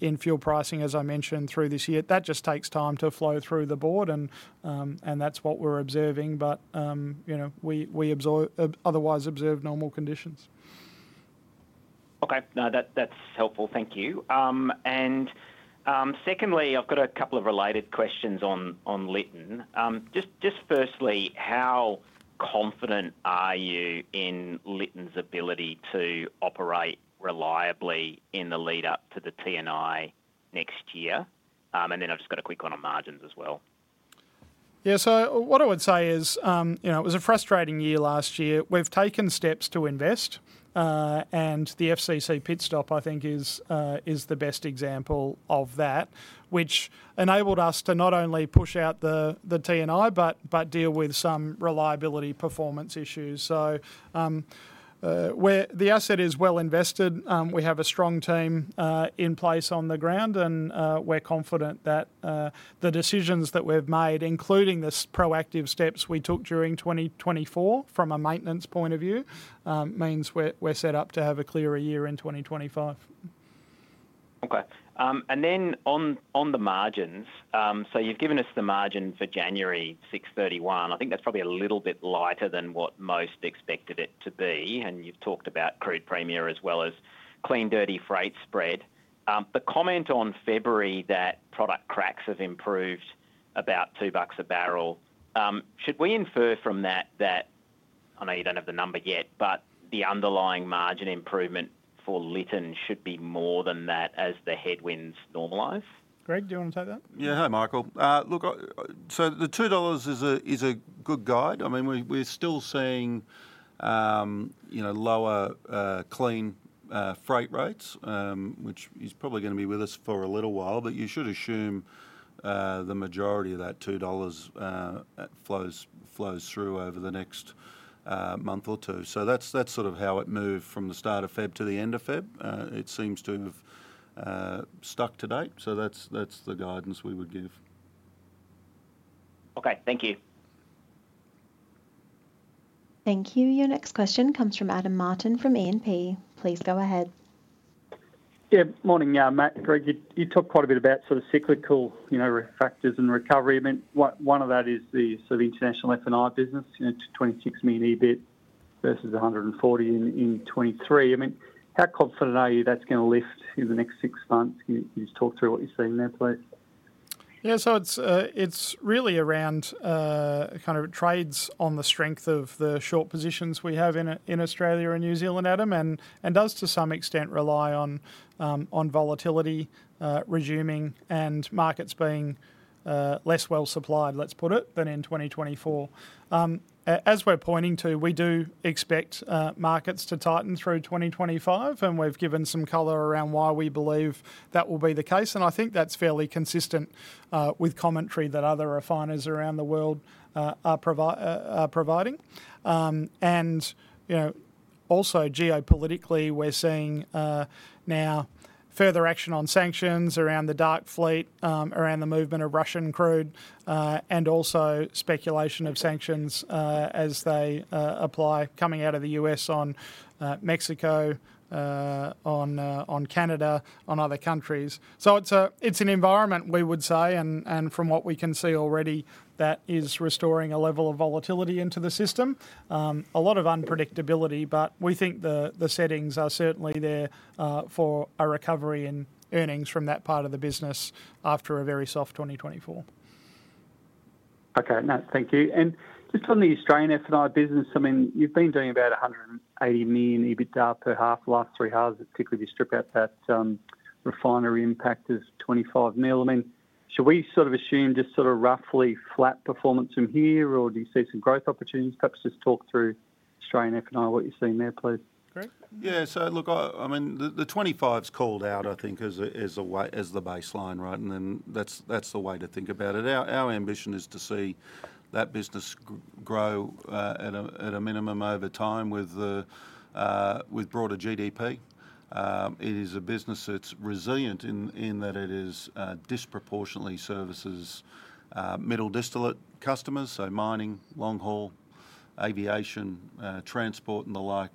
in fuel pricing, as I mentioned, through this year. That just takes time to flow through the board, and that's what we're observing, but we otherwise observe normal conditions.
Okay, that's helpful. Thank you. And secondly, I've got a couple of related questions on Lytton. Just firstly, how confident are you in Lytton's ability to operate reliably in the lead-up to the T&I next year? And then I've just got a quick one on margins as well.
Yeah, so what I would say is it was a frustrating year last year. We've taken steps to invest, and the FCC pit stop, I think, is the best example of that, which enabled us to not only push out the T&I, but deal with some reliability performance issues. So the asset is well invested. We have a strong team in place on the ground, and we're confident that the decisions that we've made, including the proactive steps we took during 2024 from a maintenance point of view, means we're set up to have a clearer year in 2025.
Okay. And then on the margins, so you've given us the margin for January 631. I think that's probably a little bit lighter than what most expected it to be. And you've talked about crude premium as well as clean dirty freight spread. The comment on February that product cracks have improved about two bucks a barrel, should we infer from that that, I know you don't have the number yet, but the underlying margin improvement for Lytton should be more than that as the headwinds normalize?
Greg, do you want to take that?
Yeah, hi, Michael. Look, so the $2 is a good guide. I mean, we're still seeing lower clean freight rates, which is probably going to be with us for a little while, but you should assume the majority of that 2 dollars flows through over the next month or two. So that's sort of how it moved from the start of February to the end of February. It seems to have stuck today. So that's the guidance we would give.
Okay, thank you.
Thank you. Your next question comes from Adam Martin from E&P Financial Group. Please go ahead.
Yeah, morning, Matt. Greg, you talked quite a bit about sort of cyclical factors and recovery. I mean, one of that is the sort of international F&I business, 26 million EBIT versus 140 million in 2023. I mean, how confident are you that's going to lift in the next six months? Can you just talk through what you're seeing there, please?
Yeah, so it's really around kind of trades on the strength of the short positions we have in Australia and New Zealand, Adam, and does to some extent rely on volatility resuming and markets being less well supplied, let's put it, than in 2024. As we're pointing to, we do expect markets to tighten through 2025, and we've given some color around why we believe that will be the case. I think that's fairly consistent with commentary that other refiners around the world are providing. Also geopolitically, we're seeing now further action on sanctions around the dark fleet, around the movement of Russian crude, and also speculation of sanctions as they apply, coming out of the U.S. on Mexico, on Canada, on other countries. It's an environment, we would say, and from what we can see already, that is restoring a level of volatility into the system. A lot of unpredictability, but we think the settings are certainly there for a recovery in earnings from that part of the business after a very soft 2024.
Okay, no, thank you. Just on the Australian F&I business, I mean, you've been doing about 180 million EBIT per half the last three halves. It's typically, if you strip out that refinery impact, 25 million. I mean, should we sort of assume just sort of roughly flat performance from here, or do you see some growth opportunities? Perhaps just talk through Australian F&I, what you're seeing there, please. Greg?
Yeah, so look, I mean, the 25's called out, I think, as the baseline, right? And then that's the way to think about it. Our ambition is to see that business grow at a minimum over time with broader GDP. It is a business that's resilient in that it disproportionately services middle distillate customers, so mining, long haul, aviation, transport, and the like,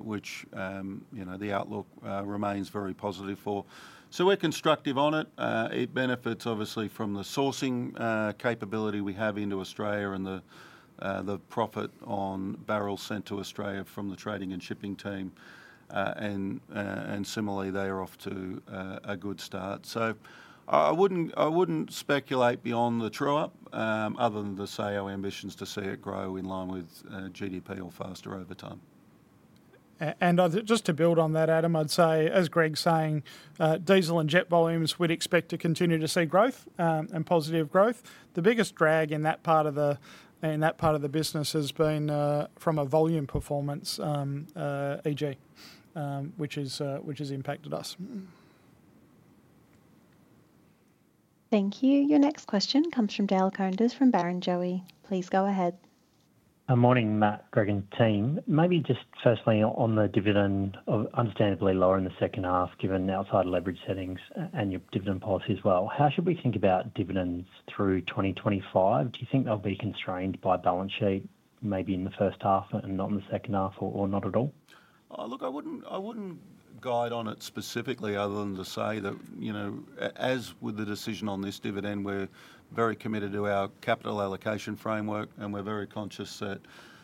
which the outlook remains very positive for. So we're constructive on it. It benefits, obviously, from the sourcing capability we have into Australia and the profit on barrels sent to Australia from the trading and shipping team. And similarly, they are off to a good start. So I wouldn't speculate beyond the true up, other than to say our ambitions to see it grow in line with GDP or faster over time.
And just to build on that, Adam, I'd say, as Greg's saying, diesel and jet volumes we'd expect to continue to see growth and positive growth. The biggest drag in that part of the business has been from a volume performance, Z Energy, which has impacted us.
Thank you. Your next question comes from Dale Koenders from Barrenjoey. Please go ahead.
Morning, Matt, Greg, and team. Maybe just firstly on the dividend, understandably lower in the second half, given outside leverage settings and your dividend policy as well. How should we think about dividends through 2025? Do you think they'll be constrained by balance sheet, maybe in the first half and not in the second half, or not at all?
Look, I wouldn't guide on it specifically other than to say that, as with the decision on this dividend, we're very committed to our capital allocation framework, and we're very conscious that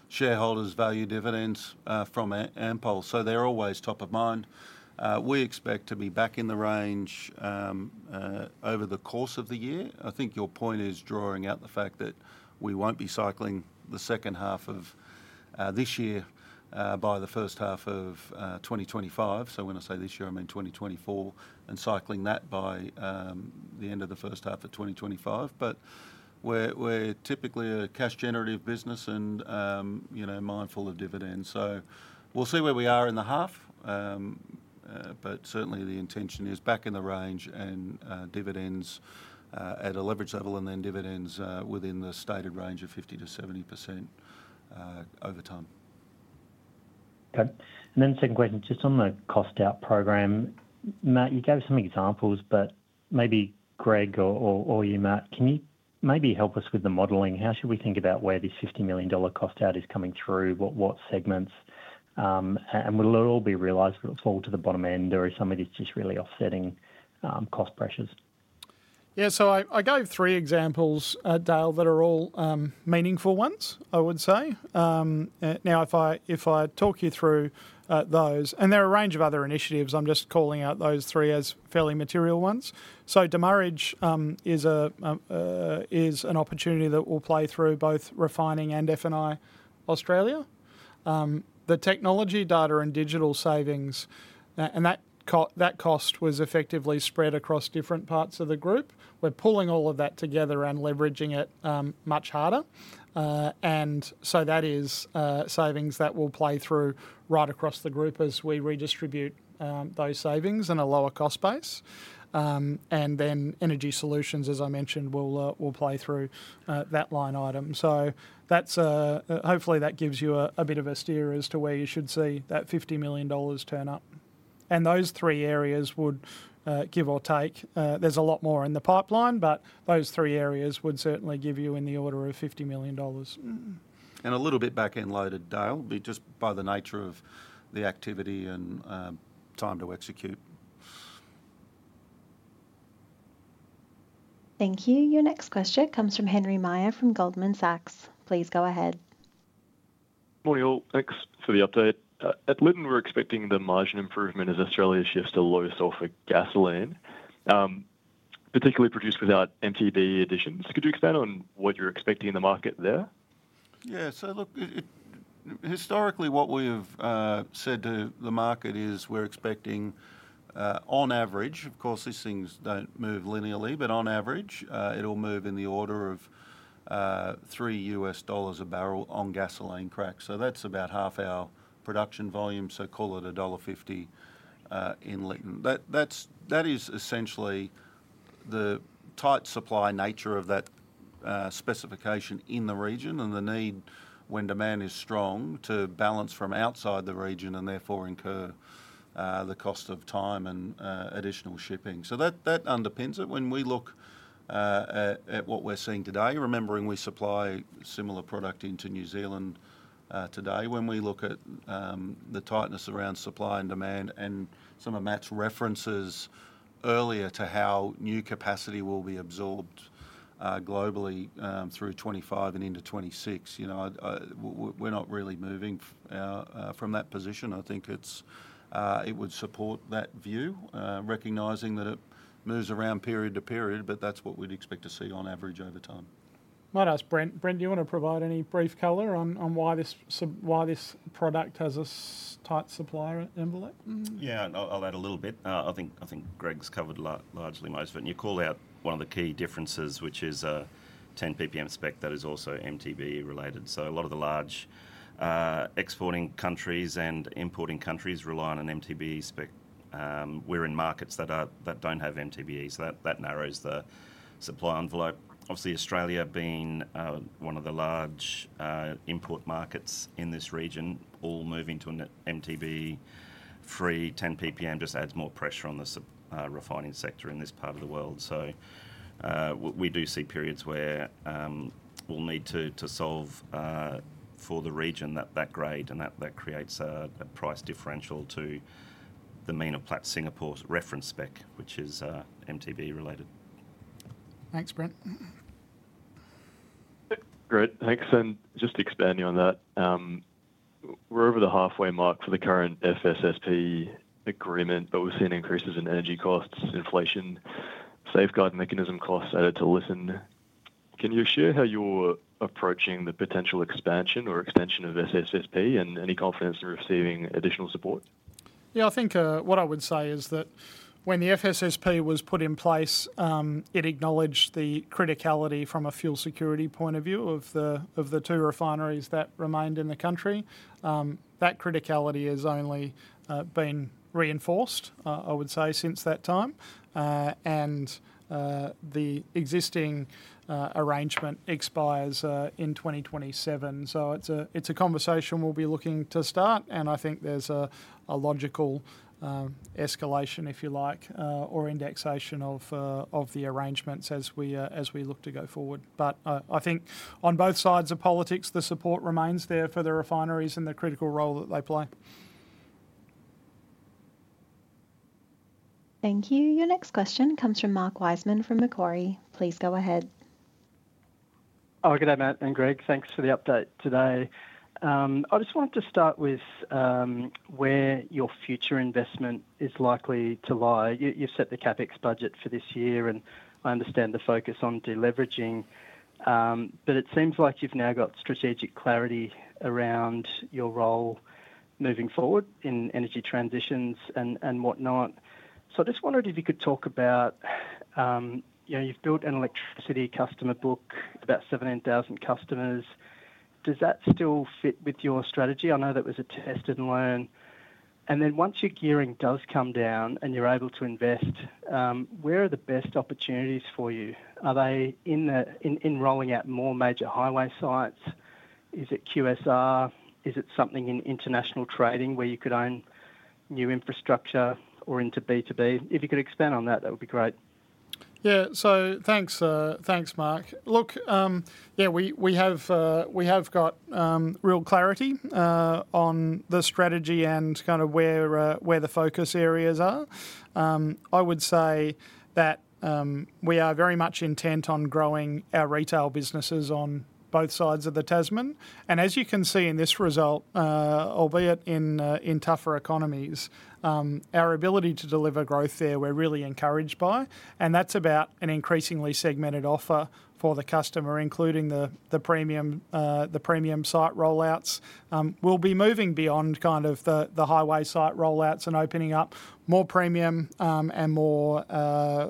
shareholders value dividends from Ampol, so they're always top of mind. We expect to be back in the range over the course of the year. I think your point is drawing out the fact that we won't be cycling the second half of this year by the first half of 2025. So when I say this year, I mean 2024, and cycling that by the end of the first half of 2025. But we're typically a cash-generative business and mindful of dividends. So we'll see where we are in the half, but certainly the intention is back in the range and dividends at a leverage level and then dividends within the stated range of 50%-70% over time. Okay. And then second question, just on the cost-out program, Matt, you gave some examples, but maybe Greg or you, Matt, can you maybe help us with the modeling? How should we think about where this 50 million dollar cost-out is coming through, what segments? And we'll all be realize we'll fall to the bottom end of some of this just really offsetting cost pressures.
Yeah, so I gave three examples, Dale, that are all meaningful ones, I would say. Now, if I talk you through those, and there are a range of other initiatives, I'm just calling out those three as fairly material ones. So demurrage is an opportunity that will play through both refining and F&I Australia. The technology, data, and digital savings, and that cost was effectively spread across different parts of the group. We're pulling all of that together and leveraging it much harder. And so that is savings that will play through right across the group as we redistribute those savings in a lower cost base. And then Energy Solutions, as I mentioned, will play through that line item. So hopefully that gives you a bit of a steer as to where you should see that 50 million dollars turn up. And those three areas would, give or take, there's a lot more in the pipeline, but those three areas would certainly give you in the order of 50 million dollars.
And a little bit back end loaded, Dale, just by the nature of the activity and time to execute.
Thank you. Your next question comes from Henry Meyer from Goldman Sachs. Please go ahead.
Morning, all. Thanks for the update. At Lytton, we're expecting the margin improvement as Australia shifts to lower sulfur gasoline, particularly produced without MTBE additions. Could you expand on what you're expecting in the market there?
Yeah, so look, historically, what we have said to the market is we're expecting, on average, of course, these things don't move linearly, but on average, it'll move in the order of $3 a barrel on gasoline cracks. So that's about half our production volume, so call it a dollar 1.50 in Lytton. That is essentially the tight supply nature of that specification in the region and the need, when demand is strong, to balance from outside the region and therefore incur the cost of time and additional shipping. So that underpins it. When we look at what we're seeing today, remembering we supply similar product into New Zealand today, when we look at the tightness around supply and demand and some of Matt's references earlier to how new capacity will be absorbed globally through 2025 and into 2026, we're not really moving from that position. I think it would support that view, recognizing that it moves around period to period, but that's what we'd expect to see on average over time.
Might ask Brent, Brent, do you want to provide any brief color on why this product has a tight supply envelope?
Yeah, I'll add a little bit. I think Greg's covered largely most of it. And you call out one of the key differences, which is 10 ppm spec that is also MTBE related. So a lot of the large exporting countries and importing countries rely on an MTBE spec. We're in markets that don't have MTBE, so that narrows the supply envelope. Obviously, Australia being one of the large import markets in this region, all moving to an MTBE-free 10 ppm just adds more pressure on the refining sector in this part of the world. So we do see periods where we'll need to solve for the regional grade and that creates a price differential to the mean of Platts Singapore's reference spec, which is MTBE related.
Thanks, Brent.
Great, thanks. And just to expand on that, we're over the halfway mark for the current FSSP agreement, but we've seen increases in energy costs, inflation, safeguard mechanism costs added to Lytton. Can you share how you're approaching the potential expansion or extension of FSSP and any confidence in receiving additional support?
Yeah, I think what I would say is that when the FSSP was put in place, it acknowledged the criticality from a fuel security point of view of the two refineries that remained in the country. That criticality has only been reinforced, I would say, since that time. And the existing arrangement expires in 2027. So it's a conversation we'll be looking to start, and I think there's a logical escalation, if you like, or indexation of the arrangements as we look to go forward. But I think on both sides of politics, the support remains there for the refineries and the critical role that they play.
Thank you. Your next question comes from Mark Wiseman from Macquarie. Please go ahead.
Oh, good day, Matt and Greg. Thanks for the update today. I just wanted to start with where your future investment is likely to lie. You've set the CapEx budget for this year, and I understand the focus on deleveraging, but it seems like you've now got strategic clarity around your role moving forward in energy transitions and whatnot. So I just wondered if you could talk about, you've built an electricity customer book, about 17,000 customers. Does that still fit with your strategy? I know that was a test and learn. And then once your gearing does come down and you're able to invest, where are the best opportunities for you? Are they in rolling out more major highway sites? Is it QSR? Is it something in international trading where you could own new infrastructure or into B2B? If you could expand on that, that would be great.
Yeah, so thanks, Mark. Look, yeah, we have got real clarity on the strategy and kind of where the focus areas are. I would say that we are very much intent on growing our retail businesses on both sides of the Tasman. And as you can see in this result, albeit in tougher economies, our ability to deliver growth there, we're really encouraged by. And that's about an increasingly segmented offer for the customer, including the premium site rollouts. We'll be moving beyond kind of the highway site rollouts and opening up more premium and more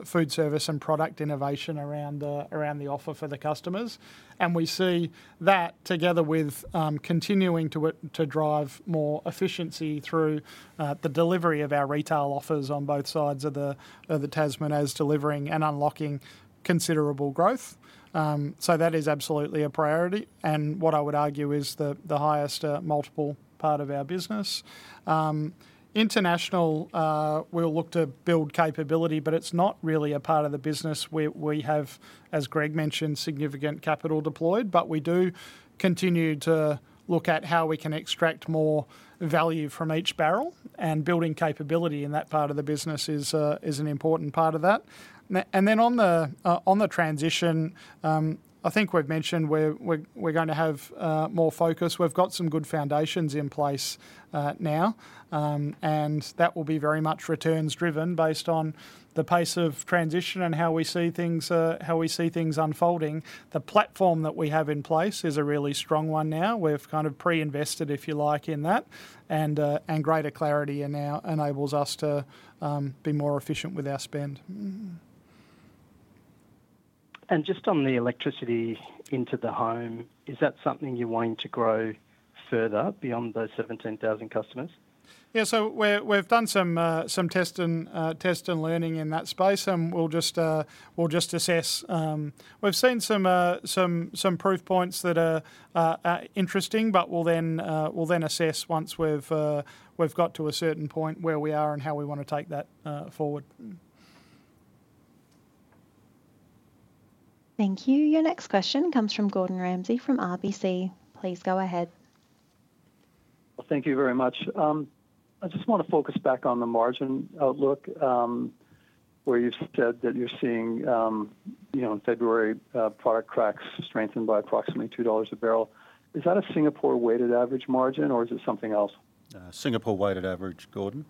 food service and product innovation around the offer for the customers. And we see that together with continuing to drive more efficiency through the delivery of our retail offers on both sides of the Tasman as delivering and unlocking considerable growth. So that is absolutely a priority. And what I would argue is the highest multiple part of our business. International, we'll look to build capability, but it's not really a part of the business where we have, as Greg mentioned, significant capital deployed, but we do continue to look at how we can extract more value from each barrel. And building capability in that part of the business is an important part of that. And then on the transition, I think we've mentioned we're going to have more focus. We've got some good foundations in place now, and that will be very much returns driven based on the pace of transition and how we see things unfolding. The platform that we have in place is a really strong one now. We've kind of pre-invested, if you like, in that, and greater clarity now enables us to be more efficient with our spend.
And just on the electricity into the home, is that something you're wanting to grow further beyond those 17,000 customers?
Yeah, so we've done some test and learning in that space, and we'll just assess. We've seen some proof points that are interesting, but we'll then assess once we've got to a certain point where we are and how we want to take that forward.
Thank you. Your next question comes from Gordon Ramsay from RBC. Please go ahead. Thank you very much.
I just want to focus back on the margin outlook where you said that you're seeing February product cracks strengthened by approximately $2 a barrel. Is that a Singapore-weighted average margin, or is it something else?
Singapore-weighted average, Gordon.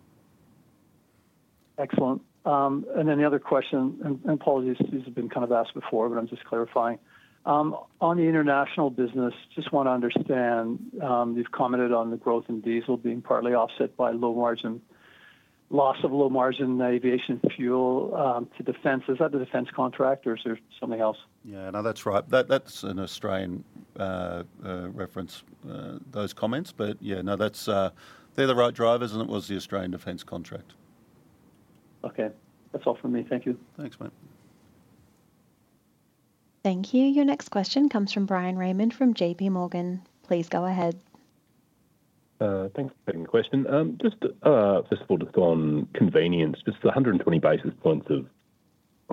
Excellent. And then the other question, and apologies, these have been kind of asked before, but I'm just clarifying. On the international business, just want to understand, you've commented on the growth in diesel being partly offset by low margin, loss of low margin aviation fuel to defence. Is that the defence contract, or is there something else?
Yeah, no, that's right. That's an Australian reference, those comments. But yeah, no, they're the right drivers, and it was the Australian Defence contract.
Okay, that's all from me. Thank you.
Thanks, mate.
Thank you. Your next question comes from Bryan Raymond from JPMorgan. Please go ahead.
Thanks for the question. Just first of all, just on convenience, just 120 basis points of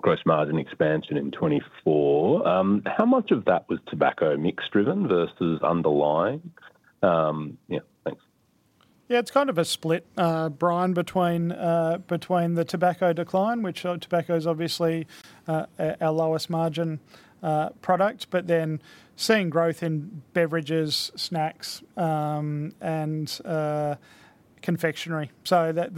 gross margin expansion in 2024. How much of that was tobacco mix driven versus underlying? Yeah, thanks.
Yeah, it's kind of a split, Bryan, between the tobacco decline, which tobacco is obviously our lowest margin product, but then seeing growth in beverages, snacks, and confectionery. So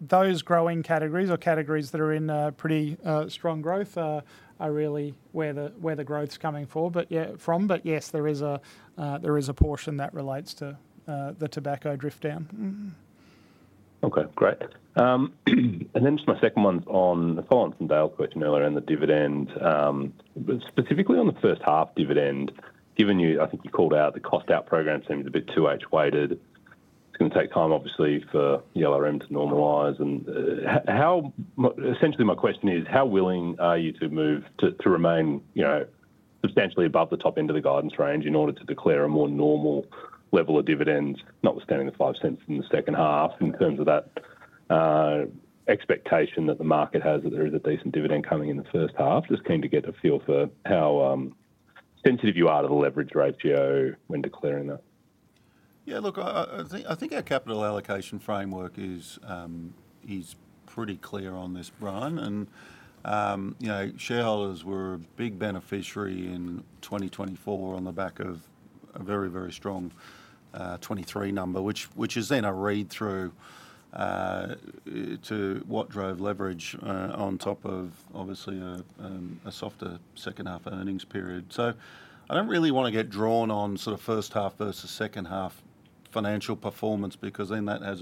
those growing categories or categories that are in pretty strong growth are really where the growth's coming forward, but yeah, but yes, there is a portion that relates to the tobacco drift down.
Okay, great. And then just my second one's on the call from Dale's question earlier on the dividend, specifically on the first half dividend, given you, I think you called out the cost-out program seems a bit too H weighted. It's going to take time, obviously, for the LRM to normalise. Essentially, my question is, how willing are you to remain substantially above the top end of the guidance range in order to declare a more normal level of dividends, notwithstanding the 0.05 in the second half in terms of that expectation that the market has that there is a decent dividend coming in the first half? Just keen to get a feel for how sensitive you are to the leverage ratio when declaring that.
Yeah, look, I think our capital allocation framework is pretty clear on this, Bryan. Shareholders were a big beneficiary in 2024 on the back of a very, very strong 2023 number, which is then a read-through to what drove leverage on top of, obviously, a softer second half earnings period. So I don't really want to get drawn on sort of first half versus second half financial performance because then that's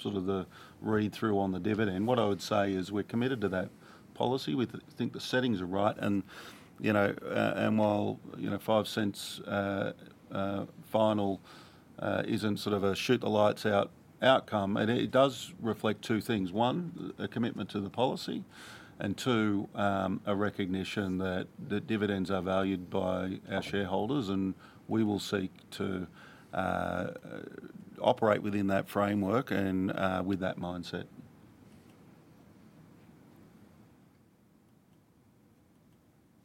sort of the read-through on the dividend. What I would say is we're committed to that policy. We think the settings are right. And while 0.05 final isn't sort of a shoot-the-lights-out outcome, it does reflect two things. One, a commitment to the policy, and two, a recognition that dividends are valued by our shareholders, and we will seek to operate within that framework and with that mindset.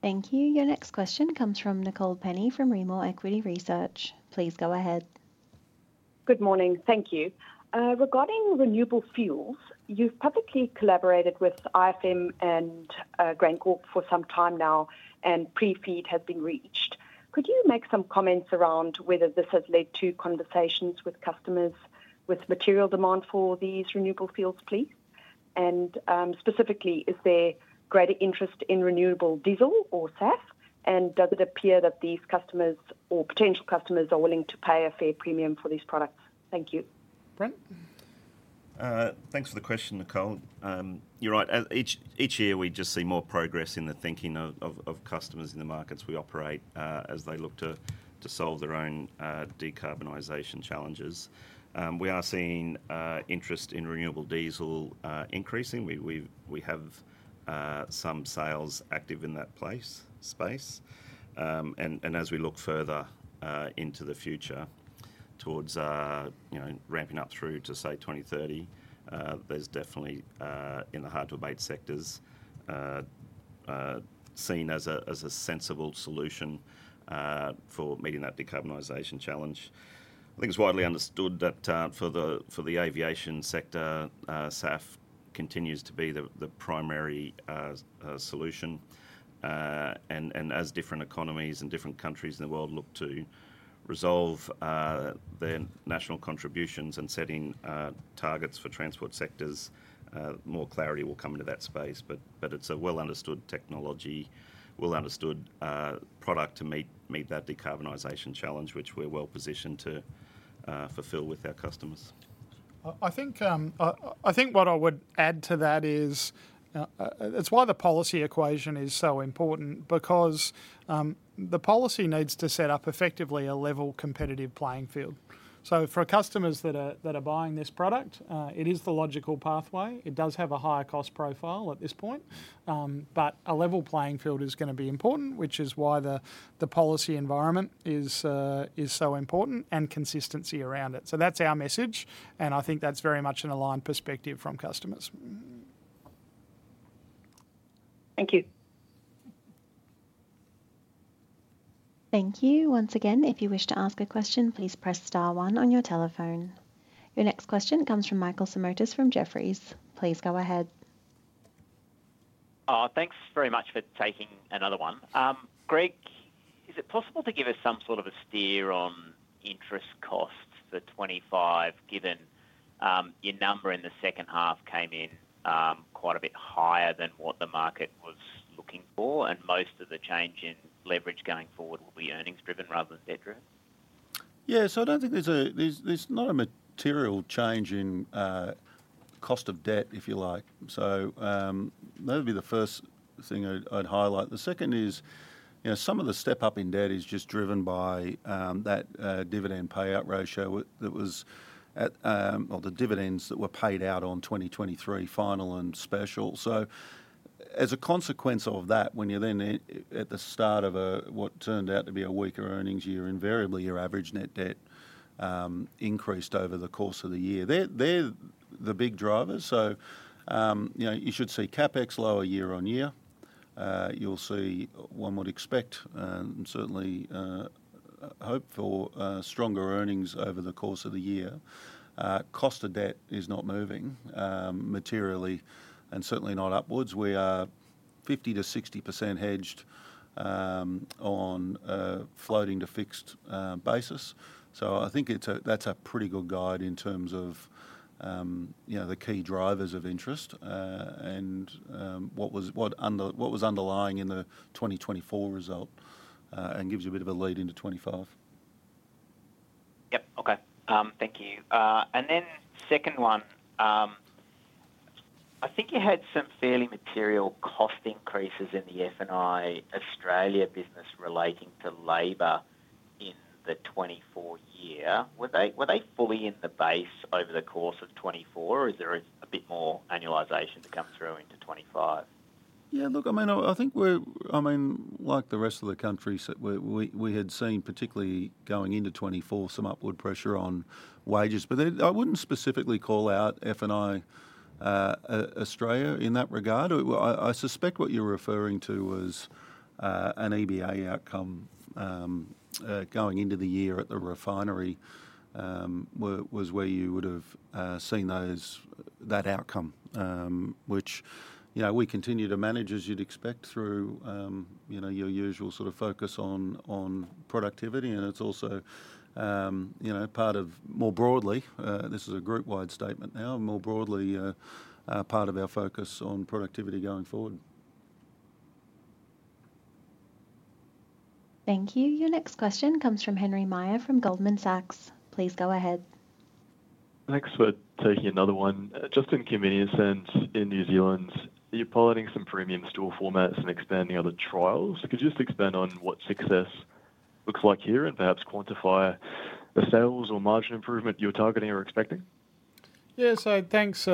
Thank you. Your next question comes from Nicole Penny from Rimor Equity Research. Please go ahead.
Good morning. Thank you. Regarding renewable fuels, you've publicly collaborated with IFM and GrainCorp for some time now, and pre-FEED has been reached. Could you make some comments around whether this has led to conversations with customers with material demand for these renewable fuels, please? And specifically, is there greater interest in renewable diesel or SAF? And does it appear that these customers or potential customers are willing to pay a fair premium for these products? Thank you.
Brent?
Thanks for the question, Nicole. You're right. Each year, we just see more progress in the thinking of customers in the markets we operate as they look to solve their own decarbonization challenges. We are seeing interest in renewable diesel increasing. We have some sales active in that space. And as we look further into the future towards ramping up through to, say, 2030, there's definitely, in the hard-to-abate sectors, seen as a sensible solution for meeting that decarbonization challenge. I think it's widely understood that for the aviation sector, SAF continues to be the primary solution, and as different economies and different countries in the world look to resolve their national contributions and setting targets for transport sectors, more clarity will come into that space. But it's a well-understood technology, well-understood product to meet that decarbonization challenge, which we're well-positioned to fulfil with our customers.
I think what I would add to that is it's why the policy equation is so important, because the policy needs to set up effectively a level competitive playing field, so for customers that are buying this product, it is the logical pathway. It does have a higher cost profile at this point, but a level playing field is going to be important, which is why the policy environment is so important and consistency around it. So that's our message, and I think that's very much an aligned perspective from customers.
Thank you.
Thank you. Once again, if you wish to ask a question, please press star one on your telephone. Your next question comes from Michael Simotas from Jefferies. Please go ahead.
Thanks very much for taking another one. Greg, is it possible to give us some sort of a steer on interest costs for 2025, given your number in the second half came in quite a bit higher than what the market was looking for, and most of the change in leverage going forward will be earnings-driven rather than debt-driven?
Yeah, so I don't think there's not a material change in cost of debt, if you like. So that would be the first thing I'd highlight. The second is some of the step-up in debt is just driven by that dividend payout ratio that was, or the dividends that were paid out on 2023 final and special. So as a consequence of that, when you're then at the start of what turned out to be a weaker earnings year, invariably your average net debt increased over the course of the year. They're the big drivers. So you should see CapEx lower year on year. You'll see one would expect and certainly hope for stronger earnings over the course of the year. Cost of debt is not moving materially and certainly not upwards. We are 50%-60% hedged on a floating to fixed basis. So I think that's a pretty good guide in terms of the key drivers of interest and what was underlying in the 2024 result and gives you a bit of a lead into 2025.
Yep, okay. Thank you. And then second one, I think you had some fairly material cost increases in the F&I Australia business relating to labor in the 2024 year. Were they fully in the base over the course of 2024, or is there a bit more annualization to come through into 2025?
Yeah, look, I mean, I think we're, I mean, like the rest of the country, we had seen, particularly going into 2024, some upward pressure on wages. But I wouldn't specifically call out F&I Australia in that regard. I suspect what you're referring to was an EBA outcome going into the year at the refinery was where you would have seen that outcome, which we continue to manage, as you'd expect, through your usual sort of focus on productivity, and it's also part of, more broadly, this is a group-wide statement now, more broadly part of our focus on productivity going forward.
Thank you. Your next question comes from Henry Meyer from Goldman Sachs. Please go ahead.
Thanks for taking another one. Just in convenience, and in New Zealand, you're piloting some premium store formats and expanding other trials. Could you just expand on what success looks like here and perhaps quantify the sales or margin improvement you're targeting or expecting?
Yeah, so thanks,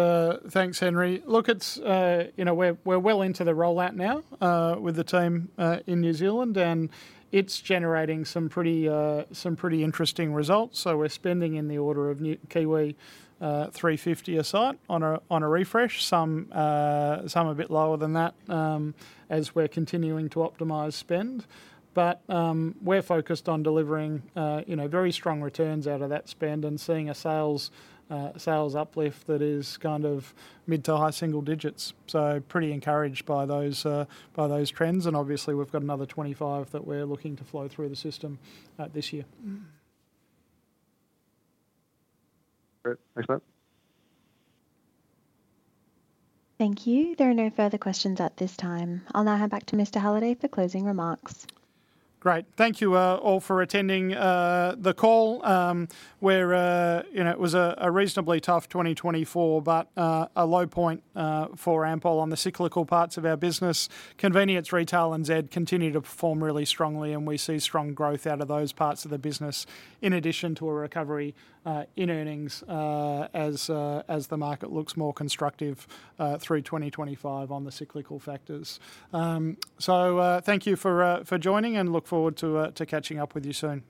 Henry. Look, we're well into the rollout now with the team in New Zealand, and it's generating some pretty interesting results. So we're spending in the order of 350 a site on a refresh, some a bit lower than that as we're continuing to optimize spend. But we're focused on delivering very strong returns out of that spend and seeing a sales uplift that is kind of mid to high single digits. So pretty encouraged by those trends. And obviously, we've got another 2025 that we're looking to flow through the system this year.
Great. Thanks, Mate.
Thank you. There are no further questions at this time. I'll now hand back to Mr. Halliday for closing remarks.
Great. Thank you all for attending the call. It was a reasonably tough 2024, but a low point for Ampol on the cyclical parts of our business. Convenience retail and Z continue to perform really strongly, and we see strong growth out of those parts of the business in addition to a recovery in earnings as the market looks more constructive through 2025 on the cyclical factors. So thank you for joining, and look forward to catching up with you soon.